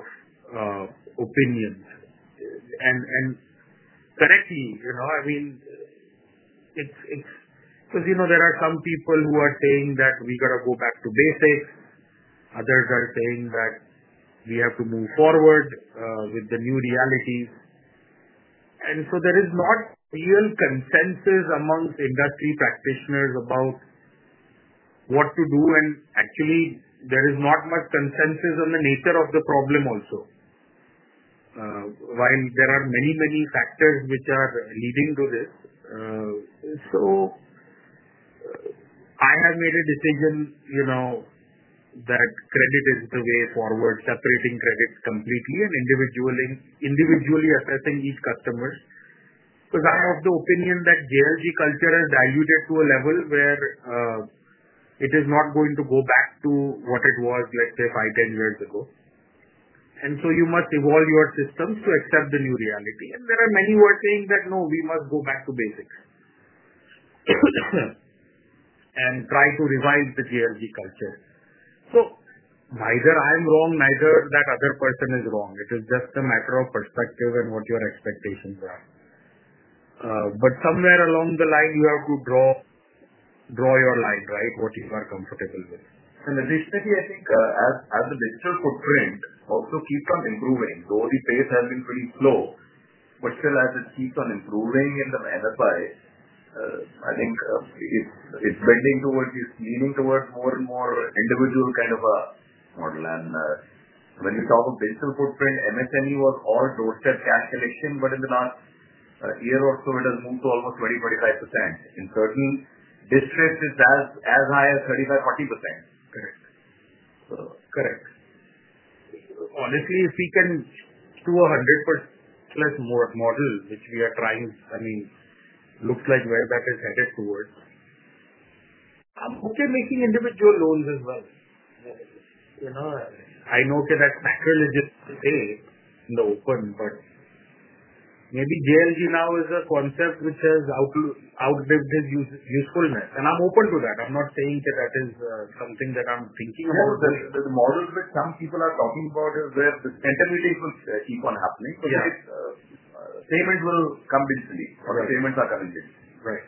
opinions. And correct me. I mean, because there are some people who are saying that we got to go back to basics. Others are saying that we have to move forward with the new realities. There is not real consensus amongst industry practitioners about what to do. Actually, there is not much consensus on the nature of the problem also. While there are many, many factors which are leading to this. I have made a decision that credit is the way forward, separating credit completely and individually assessing each customer. Because I have the opinion that JLG culture has diluted to a level where it is not going to go back to what it was, let's say, 5-10 years ago. You must evolve your systems to accept the new reality. There are many who are saying that, "No, we must go back to basics and try to revive the JLG culture." Neither I'm wrong nor that other person is wrong. It is just a matter of perspective and what your expectations are. Somewhere along the line, you have to draw your line, right, what you are comfortable with. Additionally, I think as the digital footprint also keeps on improving, though the pace has been pretty slow. Still, as it keeps on improving in the MFI, I think it's leaning towards more and more individual kind of a model. When you talk of digital footprint, MSME was all doorstep cash collection. In the last year or so, it has moved to almost 20%-25%. In certain districts, it's as high as 35%-40%. Correct. Correct. Honestly, if we can do a 100% less model, which we are trying, I mean, looks like where that is headed towards. I'm okay making individual loans as well. I know that that's macro legit to say in the open. Maybe JLG now is a concept which has outlived its usefulness. I'm open to that. I'm not saying that that is something that I'm thinking about. The model that some people are talking about is where the intermediates will keep on happening. Payment will come digitally or payments are coming digitally. Right.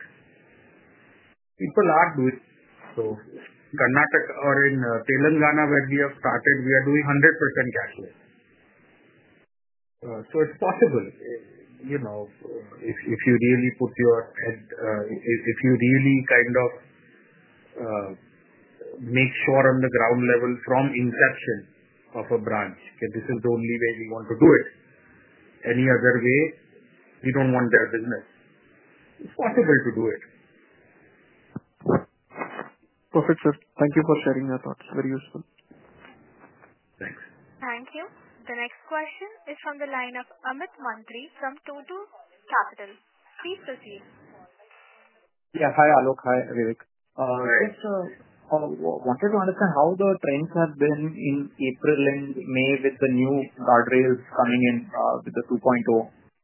People are doing it. In Karnataka or in Telangana, where we have started, we are doing 100% cashless. It's possible. If you really put your head, if you really kind of make sure on the ground level from inception of a branch, this is the only way we want to do it. Any other way, we don't want their business. It's possible to do it. Perfect, sir. Thank you for sharing your thoughts. Very useful. Thanks. Thank you. The next question is from the line of Amit Mantri from 2Point2 Capital. Please proceed. Yeah. Hi, Aalok. Hi, Vivek. I wanted to understand how the trends have been in April and May with the new guardrails coming in with the 2.0.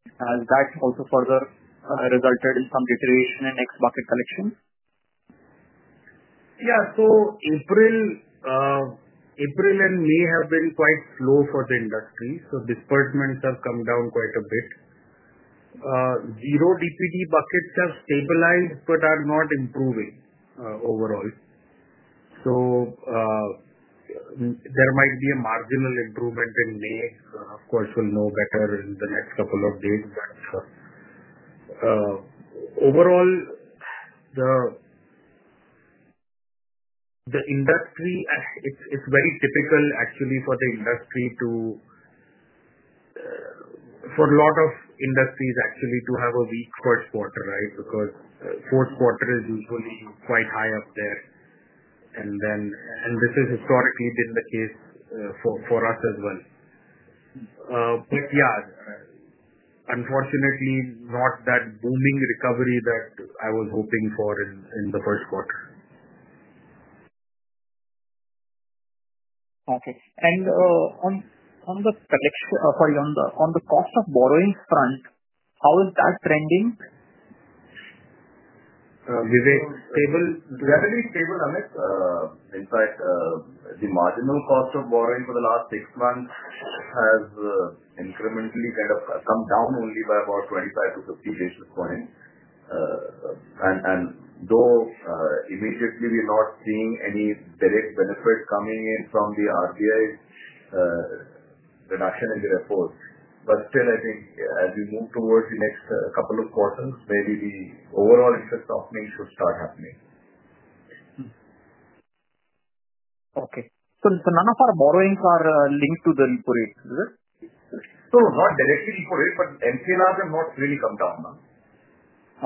Has that also further resulted in some deterioration in X bucket collection? Yeah. April and May have been quite slow for the industry. Disbursements have come down quite a bit. Zero DPD buckets have stabilized but are not improving overall. There might be a marginal improvement in May. Of course, we'll know better in the next couple of days. But overall, the industry, it's very typical actually for the industry to, for a lot of industries actually, to have a weak first quarter, right? Because fourth quarter is usually quite high up there. This has historically been the case for us as well. Yeah, unfortunately, not that booming recovery that I was hoping for in the first quarter. Okay. On the selection, sorry, on the cost of borrowing front, how is that trending? Vivek, does that really stabilize? In fact, the marginal cost of borrowing for the last six months has incrementally kind of come down only by about 25-50 basis points. Though immediately we are not seeing any direct benefit coming in from the RBI reduction in the repo, I think as we move towards the next couple of quarters, maybe the overall interest softening should start happening. Okay. None of our borrowings are linked to the repo rate, is it? Not directly repo rate, but MCLRs have not really come down. None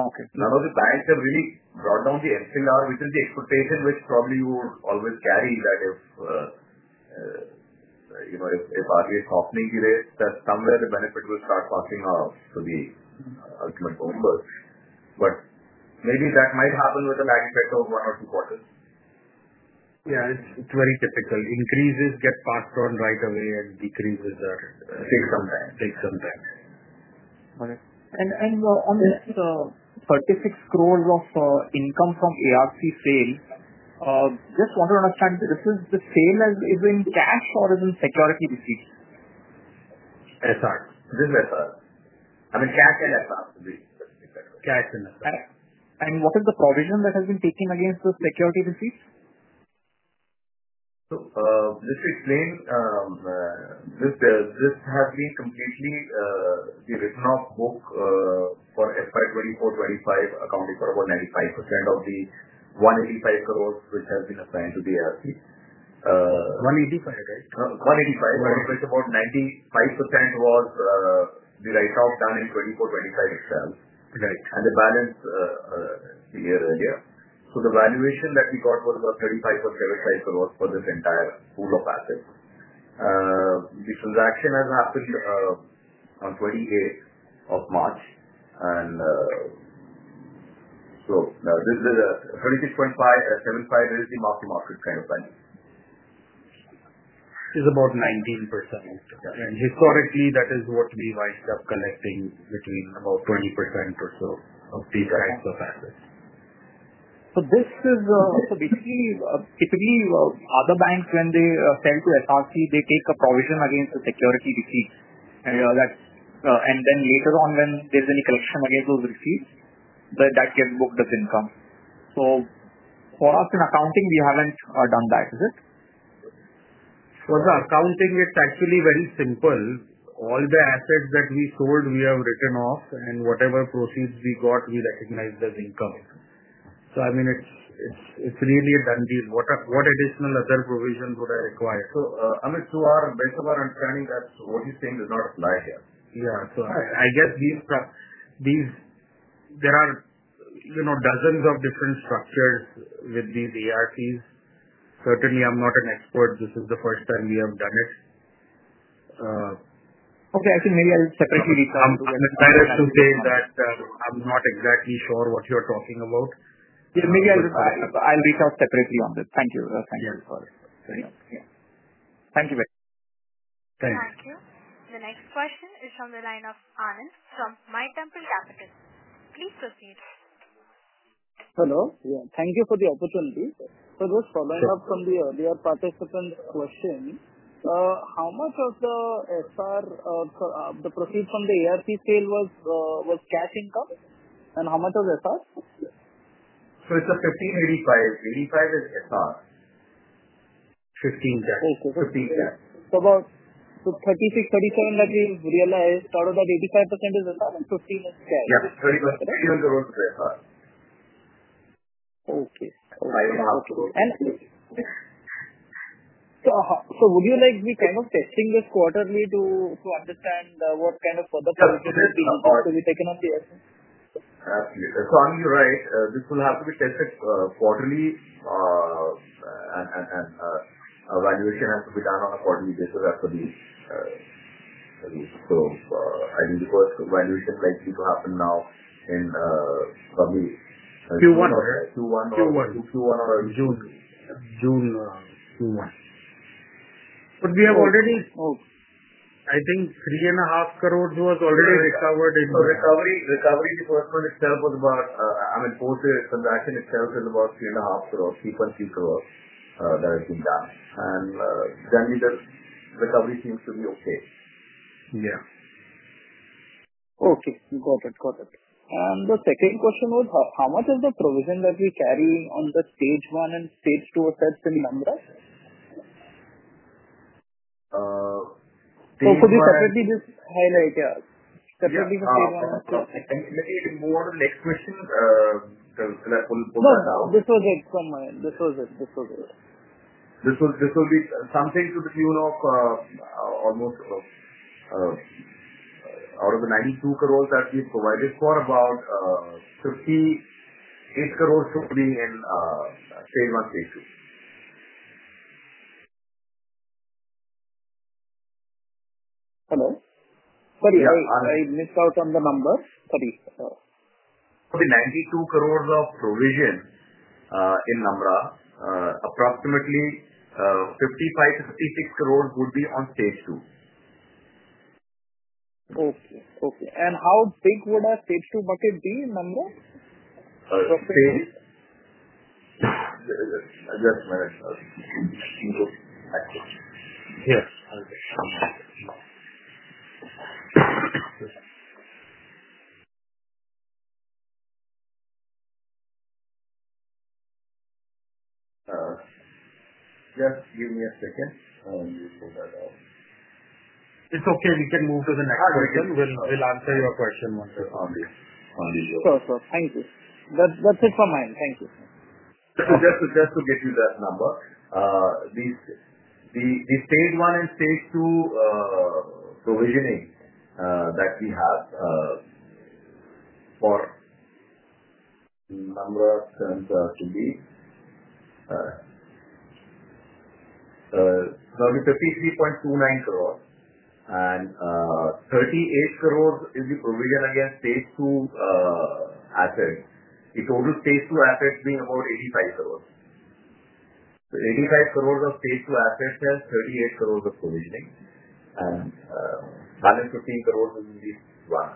of the banks have really brought down the MCLR, which is the expectation which probably you would always carry that if RBI softening delays, that somewhere the benefit will start passing off to the ultimate borrowers. Maybe that might happen with a lag effect of one or two quarters. Yeah. It is very typical. Increases get passed on right away and decreases take some time. Take some time. Got it. On this 36 crore of income from ARC sales, just want to understand, this is the sale as in cash or as in security receipts? SR. This is SR. I mean, cash and SR would be specifically. Cash and SR. What is the provision that has been taken against the security receipts? Just to explain, this has been completely the written-off book for FY 2024-2025 accounting for about 95% of the 1.85 crores which has been assigned to the ARC. 185 crores, right? 185 crores. Of which about 95% was the write-off done in 2024-2025 itself, and the balance a year earlier. The valuation that we got was about INR 357.5 million for this entire pool of assets. The transaction has happened on March 28. This 36.75 crores is the market kind of value, which is about 19%. Historically, that is what we wind up collecting, between about 20% or so of these types of assets. Typically, other banks, when they sell to ARC, they take a provision against the security receipts. Then later on, when there's any collection against those receipts, that gets booked as income. For us in accounting, we haven't done that, is it? For the accounting, it's actually very simple. All the assets that we sold, we have written off. Whatever proceeds we got, we recognize as income. I mean, it's really a done deal. What additional other provision would I require? Amit, to our best understanding, what you're saying does not apply here. Yeah. I guess there are dozens of different structures with these ARCs. Certainly, I'm not an expert. This is the first time we have done it. Okay. I think maybe I'll separately reach out to Amit. I'm inspired to say that I'm not exactly sure what you're talking about. Yeah. Maybe I'll reach out separately on this. Thank you. Thank you for bringing up. Thank you very much. Thank you. Thank you. The next question is from the line of Anand from My Temple Capital. Please proceed. Hello. Thank you for the opportunity. Just following up from the earlier participant's question, how much of the SR or the proceeds from the ARC sale was cash income? And how much of SR? It is 15-85. 85 is SR. 15 cash. 15 cash. About 36, 37 that we realized, out of that 85% is SR and 15 is cash. Yeah. 35 crores is SR. Okay. Okay. Would you like, we are kind of testing this quarterly to understand what kind of further provisions will be taken on the assets? Absolutely. You are right. This will have to be tested quarterly. Valuation has to be done on a quarterly basis after these. I think the first valuation is likely to happen now in probably Q1 or Q2. Q1 or June. June. June. Q1. We have already, I think, 3.5 crore was already recovered in. Recovery in the first one itself was about, I mean, post transaction itself is about INR 3.5 crore, INR 3.3 crore that has been done. Generally, the recovery seems to be okay. Yeah. Okay. Got it. Got it. The second question was, how much of the provision that we carry on the stage one and stage two assets in the Namra? Could you separately just highlight, separately the stage one and stage two? Maybe one of the next questions. Because that will. No. This was it from my end. This was it. This was it. This will be something to the tune of almost out of the 92 crore that we provided for, about 58 crore will be in stage one, stage two. Hello? Sorry. I missed out on the number. Sorry. For the 92 crore of provision in Namra, approximately 55 crore -56 crore would be on stage two. Okay. Okay. And how big would a stage two bucket be in Namra? Just a minute. Yes. Just give me a second. I'll just pull that out. It's okay. We can move to the next question. We'll answer your question once it's on the agenda. Sure. Sure. Thank you. That's it from my end. Thank you. Just to get you that number, the stage one and stage two provisioning that we have for Namra stands to be probably 53.29 crore. And 38 crore is the provision against stage two assets. The total stage two assets being about 85 crore. So 85 crore of stage two assets and 38 crore of provisioning. And balance 15 crore is in this one.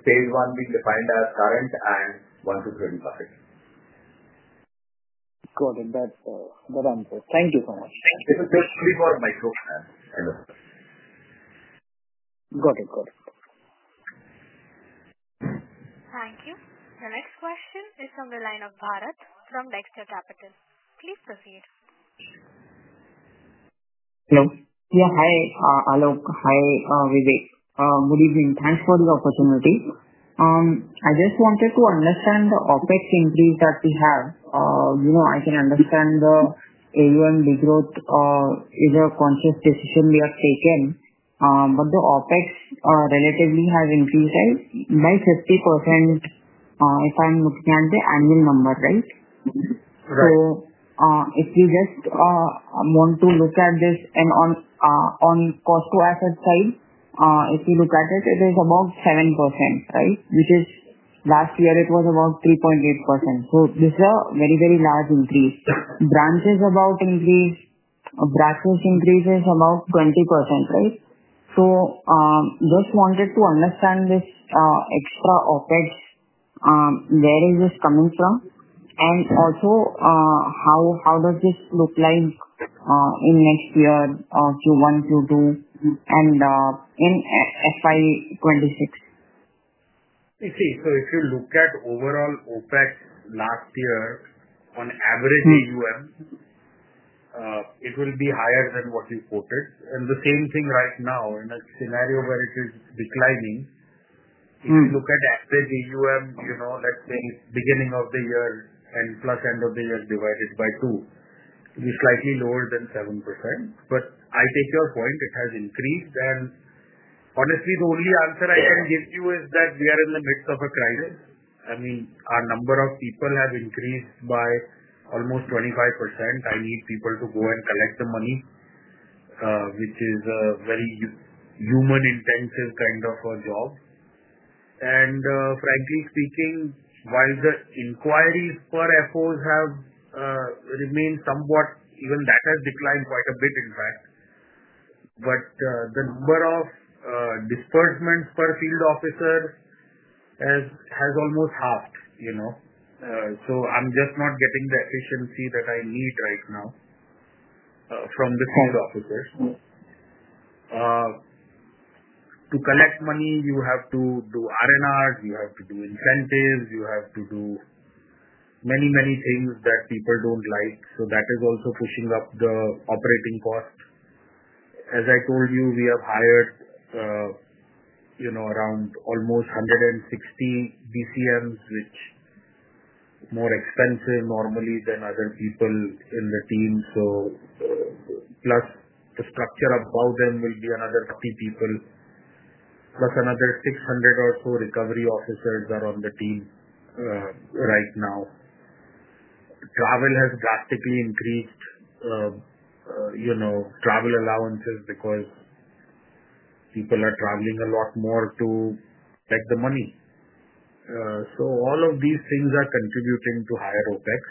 Stage one being defined as current and one to three buckets. Got it. That answers. Thank you so much. This will be for micro plan. Got it. Got it. Thank you. The next question is from the line of Bharat from Dexter Capital. Please proceed. Hello. Yeah. Hi, Aalok. Hi, Vivek. Good evening. Thanks for the opportunity. I just wanted to understand the OpEx increase that we have. I can understand the AUM regrowth is a conscious decision we have taken. But the OpEx relatively has increased by 50% if I am looking at the annual number, right? If we just want to look at this and on cost to asset side, if we look at it, it is about 7%, right? Which is last year it was about 3.8%. This is a very, very large increase. Branches about increase, branches increase is about 20%, right? Just wanted to understand this extra OpEx, where is this coming from? Also how does this look like in next year, Q1, Q2, and in FY 2026? I see. If you look at overall OpEx last year on average AUM, it will be higher than what you quoted. The same thing right now in a scenario where it is declining. If you look at average AUM, let's say beginning of the year and plus end of the year divided by two, it is slightly lower than 7%. I take your point. It has increased. Honestly, the only answer I can give you is that we are in the midst of a crisis. I mean, our number of people have increased by almost 25%. I need people to go and collect the money, which is a very human-intensive kind of a job. Frankly speaking, while the inquiries for FOs have remained somewhat, even that has declined quite a bit, in fact. The number of disbursements per field officer has almost halved. I'm just not getting the efficiency that I need right now from the field officers. To collect money, you have to do RNRs. You have to do incentives. You have to do many, many things that people do not like. That is also pushing up the operating cost. As I told you, we have hired around almost 160 BCMs, which are more expensive normally than other people in the team. Plus the structure above them will be another 40 people. Plus another 600 or so recovery officers are on the team right now. Travel has drastically increased, travel allowances because people are traveling a lot more to collect the money. All of these things are contributing to higher OpEx.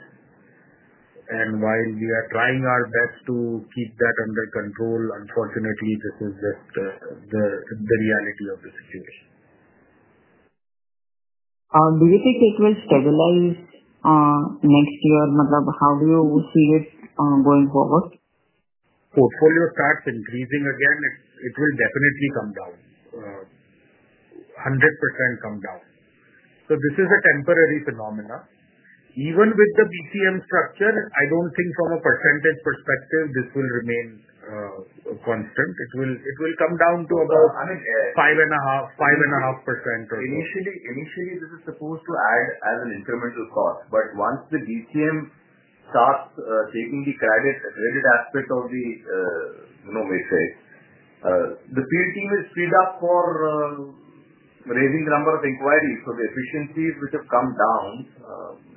While we are trying our best to keep that under control, unfortunately, this is just the reality of the situation. Do you think it will stabilize next year? Motherbook, how do you see it going forward? Portfolio starts increasing again, it will definitely come down. 100% come down. This is a temporary phenomena. Even with the BCM structure, I do not think from a percentage perspective, this will remain constant. It will come down to about 5.5% or so. Initially, this is supposed to add as an incremental cost. Once the BCM starts taking the credit aspect of the, let's say, the field team is freed up for raising the number of inquiries. The efficiencies, which have come down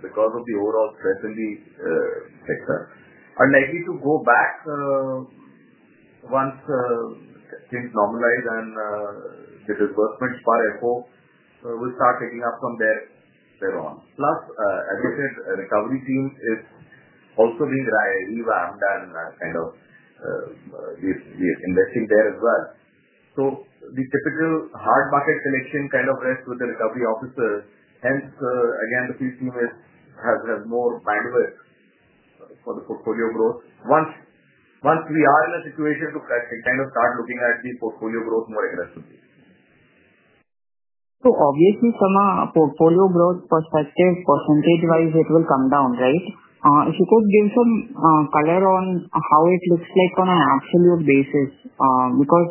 because of the overall stress in the sector, are likely to go back once things normalize and the disbursements per FO will start picking up from there on. Plus, as I said, the recovery team is also being revamped and kind of investing there as well. The typical hard bucket selection kind of rests with the recovery officers. Hence, again, the field team has more bandwidth for the portfolio growth once we are in a situation to kind of start looking at the portfolio growth more aggressively. Obviously, from a portfolio growth perspective, percentage-wise, it will come down, right? If you could give some color on how it looks like on an absolute basis, because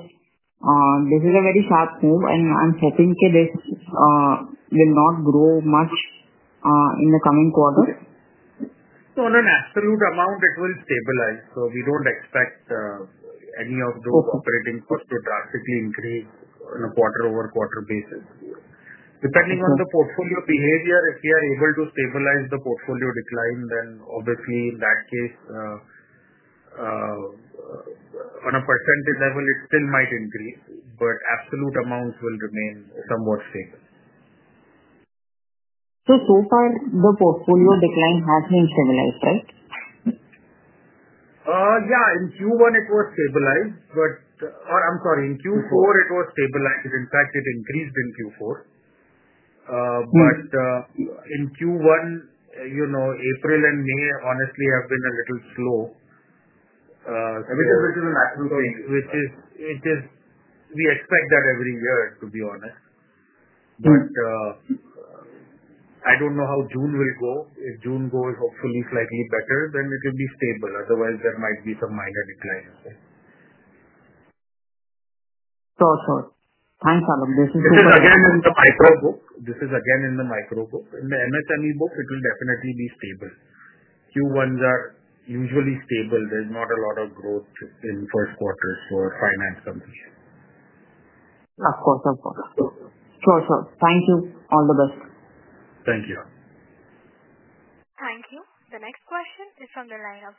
this is a very sharp move, and I'm hoping this will not grow much in the coming quarter. On an absolute amount, it will stabilize. We do not expect any of those operating costs to drastically increase on a quarter-over-quarter basis. Depending on the portfolio behavior, if we are able to stabilize the portfolio decline, then obviously, in that case, on a percentage level, it still might increase, but absolute amounts will remain somewhat stable. So far, the portfolio decline has been stabilized, right? Yeah. In Q1, it was stabilized. Or, I'm sorry, in Q4, it was stabilized. In fact, it increased in Q4. In Q1, April and May honestly have been a little slow, which is a natural thing, which we expect every year, to be honest. But I don't know how June will go. If June goes hopefully slightly better, then it will be stable. Otherwise, there might be some minor decline. Sure. Sure. Thanks, Aalok. This is super. This is again in the micro book. This is again in the micro book. In the MSME book, it will definitely be stable. Q1s are usually stable. There's not a lot of growth in first quarters for finance companies. Of course. Of course. Sure. Sure. Thank you. All the best. Thank you. Thank you. The next question is from the line of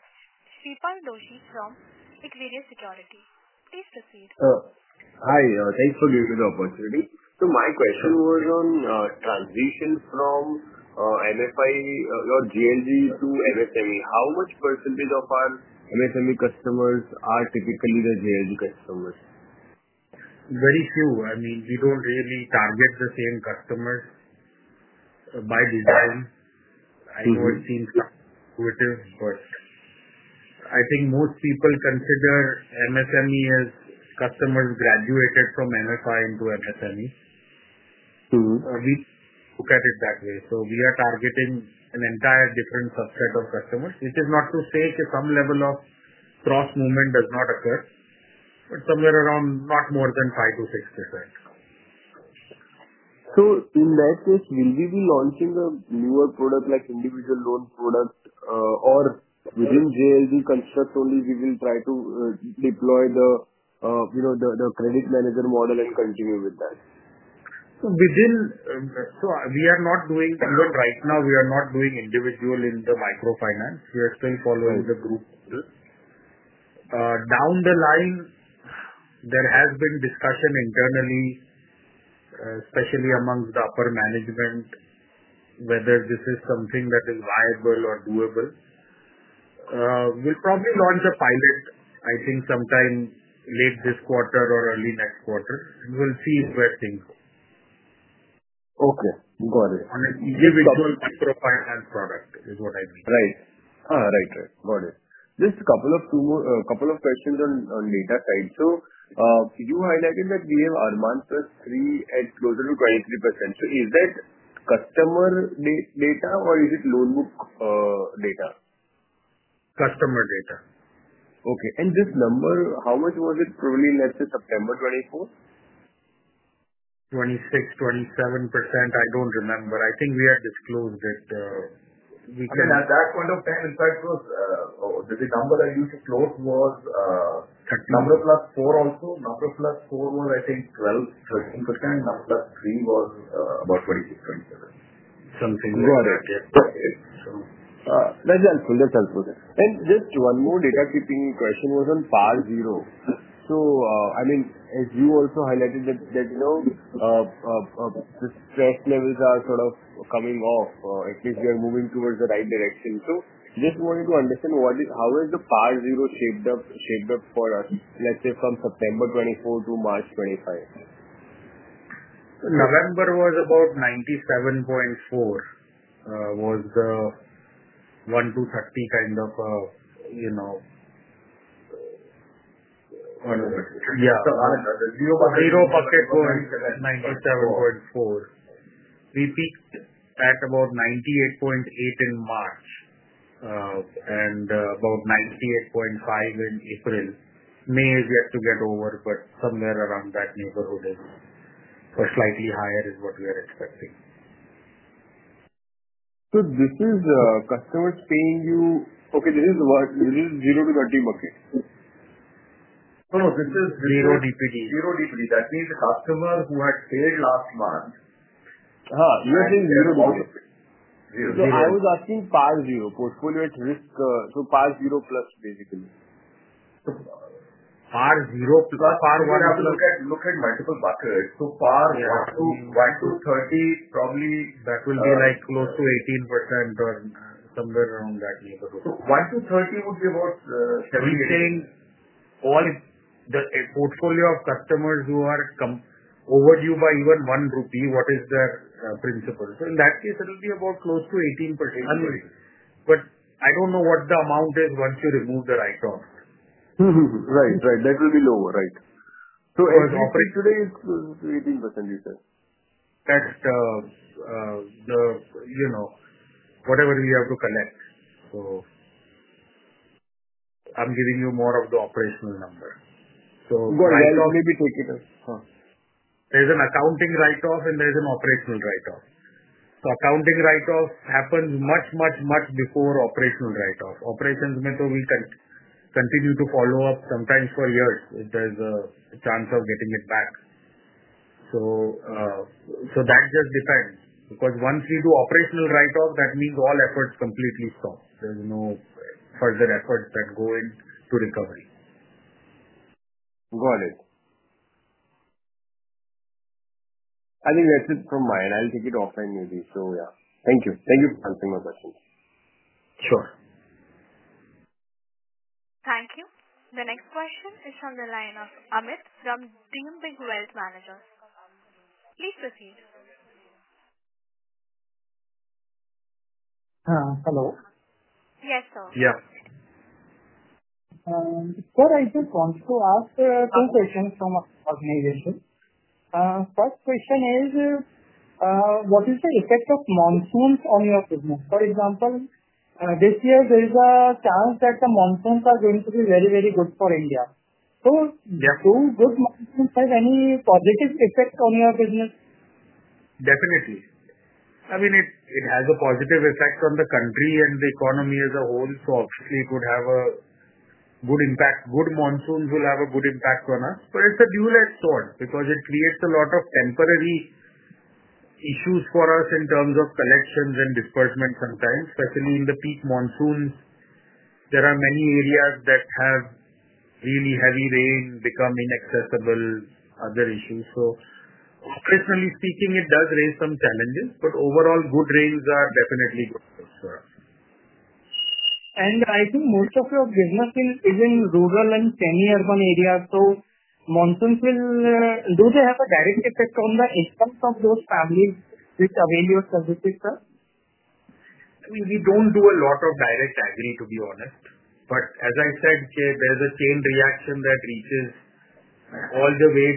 Shreepal Doshi from Equirus Securities. Please proceed. Hi. Thanks for giving me the opportunity. So my question was on transition from MFI or JLG to MSME. How much percentage of our MSME customers are typically the JLG customers? Very few. I mean, we don't really target the same customers by design. I know it seems intuitive, but I think most people consider MSME as customers graduated from MFI into MSME. We look at it that way. We are targeting an entirely different subset of customers, which is not to say some level of cross-movement does not occur, but somewhere around not more than 5%-6%. In that case, will we be launching a newer product like individual loan product or within JLG construct only, we will try to deploy the credit manager model and continue with that? We are not doing, even right now, we are not doing individual in the microfinance. We are still following the group. Down the line, there has been discussion internally, especially amongst the upper management, whether this is something that is viable or doable. We'll probably launch a pilot, I think, sometime late this quarter or early next quarter. We'll see where things go. Okay. Got it. On an individual microfinance product is what I mean. Right. Right. Right. Got it. Just a couple of questions on data side. You highlighted that we have Arman plus 3 at closer to 23%. Is that customer data or is it loan book data? Customer data. Okay. And this number, how much was it, probably, let's say, September 2024? 26%-27%. I don't remember. I think we had disclosed it. We can. I mean, at that point of time, in fact, the number that you disclosed was number plus 4 also. Number plus 4 was, I think, 12%-13%. Number plus 3 was about 26%-27%. Something like that. Got it. That's helpful. That's helpful. Just one more data keeping question was on PAR zero. I mean, as you also highlighted that the stress levels are sort of coming off. At least we are moving towards the right direction. I just wanted to understand how has the PAR zero shaped up for us, let's say, from September 2024 to March 2025? November was about 97.4, was the 1-30 kind of. Yeah. Zero bucket was 97.4. We peaked at about 98.8 in March and about 98.5 in April. May is yet to get over, but somewhere around that neighborhood or slightly higher is what we are expecting. This is customers paying you. Okay. This is zero to 30 bucket. No, no. This is zero DPD. Zero DPD. That means the customer who had paid last month. You are saying zero DPD. I was asking PAR zero. Portfolio at risk. PAR zero plus, basically. PAR zero plus. PAR zero plus. Look at multiple buckets. PAR 1-30, probably that will be close to 18% or somewhere around that neighborhood. 1-30 would be about 78. You're saying all the portfolio of customers who are overdue by even one rupee, what is their principal? In that case, it will be about close to 18%. I don't know what the amount is once you remove the write-off. Right. That will be lower. Operating today is 18%, you said. That's whatever we have to collect. I'm giving you more of the operational number. Maybe take it as. There's an accounting write-off and there's an operational write-off. Accounting write-off happens much, much, much before operational write-off. Operations may continue to follow up sometimes for years. There's a chance of getting it back. That just depends. Because once we do operational write-off, that means all efforts completely stop. There's no further efforts that go into recovery. Got it. I mean, that's it from mine. I'll take it offline maybe. Thank you. Thank you for answering my question. Sure. Thank you. The next question is from the line of Amit from Dream Big Wealth Managers. Please proceed. Hello. Yes, sir. Sir, I just want to ask two questions from our organization. First question is, what is the effect of monsoons on your business? For example, this year, there is a chance that the monsoons are going to be very, very good for India. Do good monsoons have any positive effect on your business? Definitely. I mean, it has a positive effect on the country and the economy as a whole. Obviously, it would have a good impact. Good monsoons will have a good impact on us. It is a dual-edged sword because it creates a lot of temporary issues for us in terms of collections and disbursements sometimes. Especially in the peak monsoons, there are many areas that have really heavy rain, become inaccessible, other issues. Operationally speaking, it does raise some challenges. Overall, good rains are definitely good for us. I think most of your business is in rural and semi-urban areas. Monsoons, do they have a direct effect on the incomes of those families which avail your services, sir? We do not do a lot of direct agri, to be honest. As I said, there is a chain reaction that reaches all the way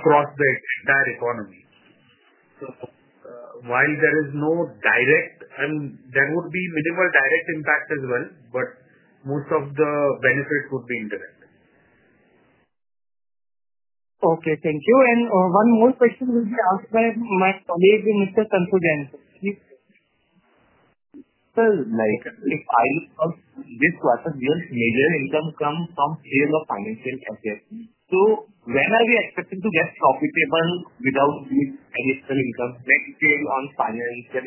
across the entire economy. While there is no direct, I mean, there would be minimal direct impact as well, but most of the benefits would be indirect. Okay. Thank you. One more question will be asked by my colleague, Mr. Sanfu Jain. Please. Sir, if I look at this quarter, we have major income come from sale of financial assets. When are we expected to get profitable without additional income? Net sale on financial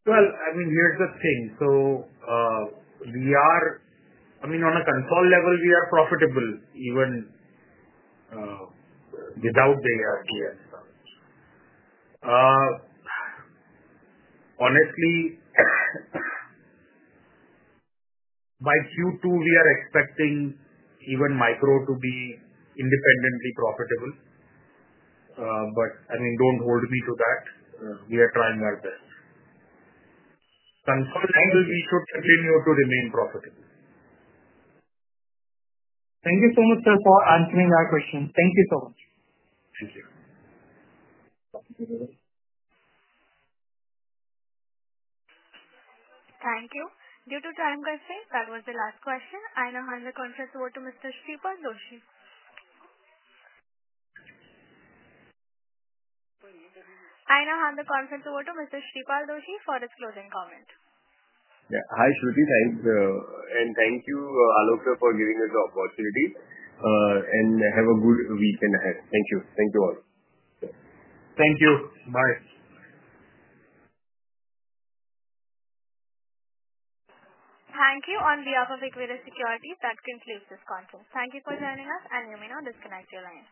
instruments? I mean, here's the thing. We are, I mean, on a consolidated level, we are profitable even without the ARPS. Honestly, by Q2, we are expecting even micro to be independently profitable. I mean, do not hold me to that. We are trying our best. Consolidated level, we should continue to remain profitable. Thank you so much, sir, for answering our questions. Thank you so much. Thank you. Thank you. Due to time constraints, that was the last question. I now hand the conference over to Mr. Shreepal Doshi. I now hand the conference over to Mr. Shreepal Doshi for his closing comment. Yeah. Hi, Shruti. And thank you, Aalok, for giving us your opportunity. And have a good week and a half. Thank you. Thank you all. Thank you. Bye. Thank you. On behalf of Equirus Securities, that concludes this conference. Thank you for joining us, and you may now disconnect your line.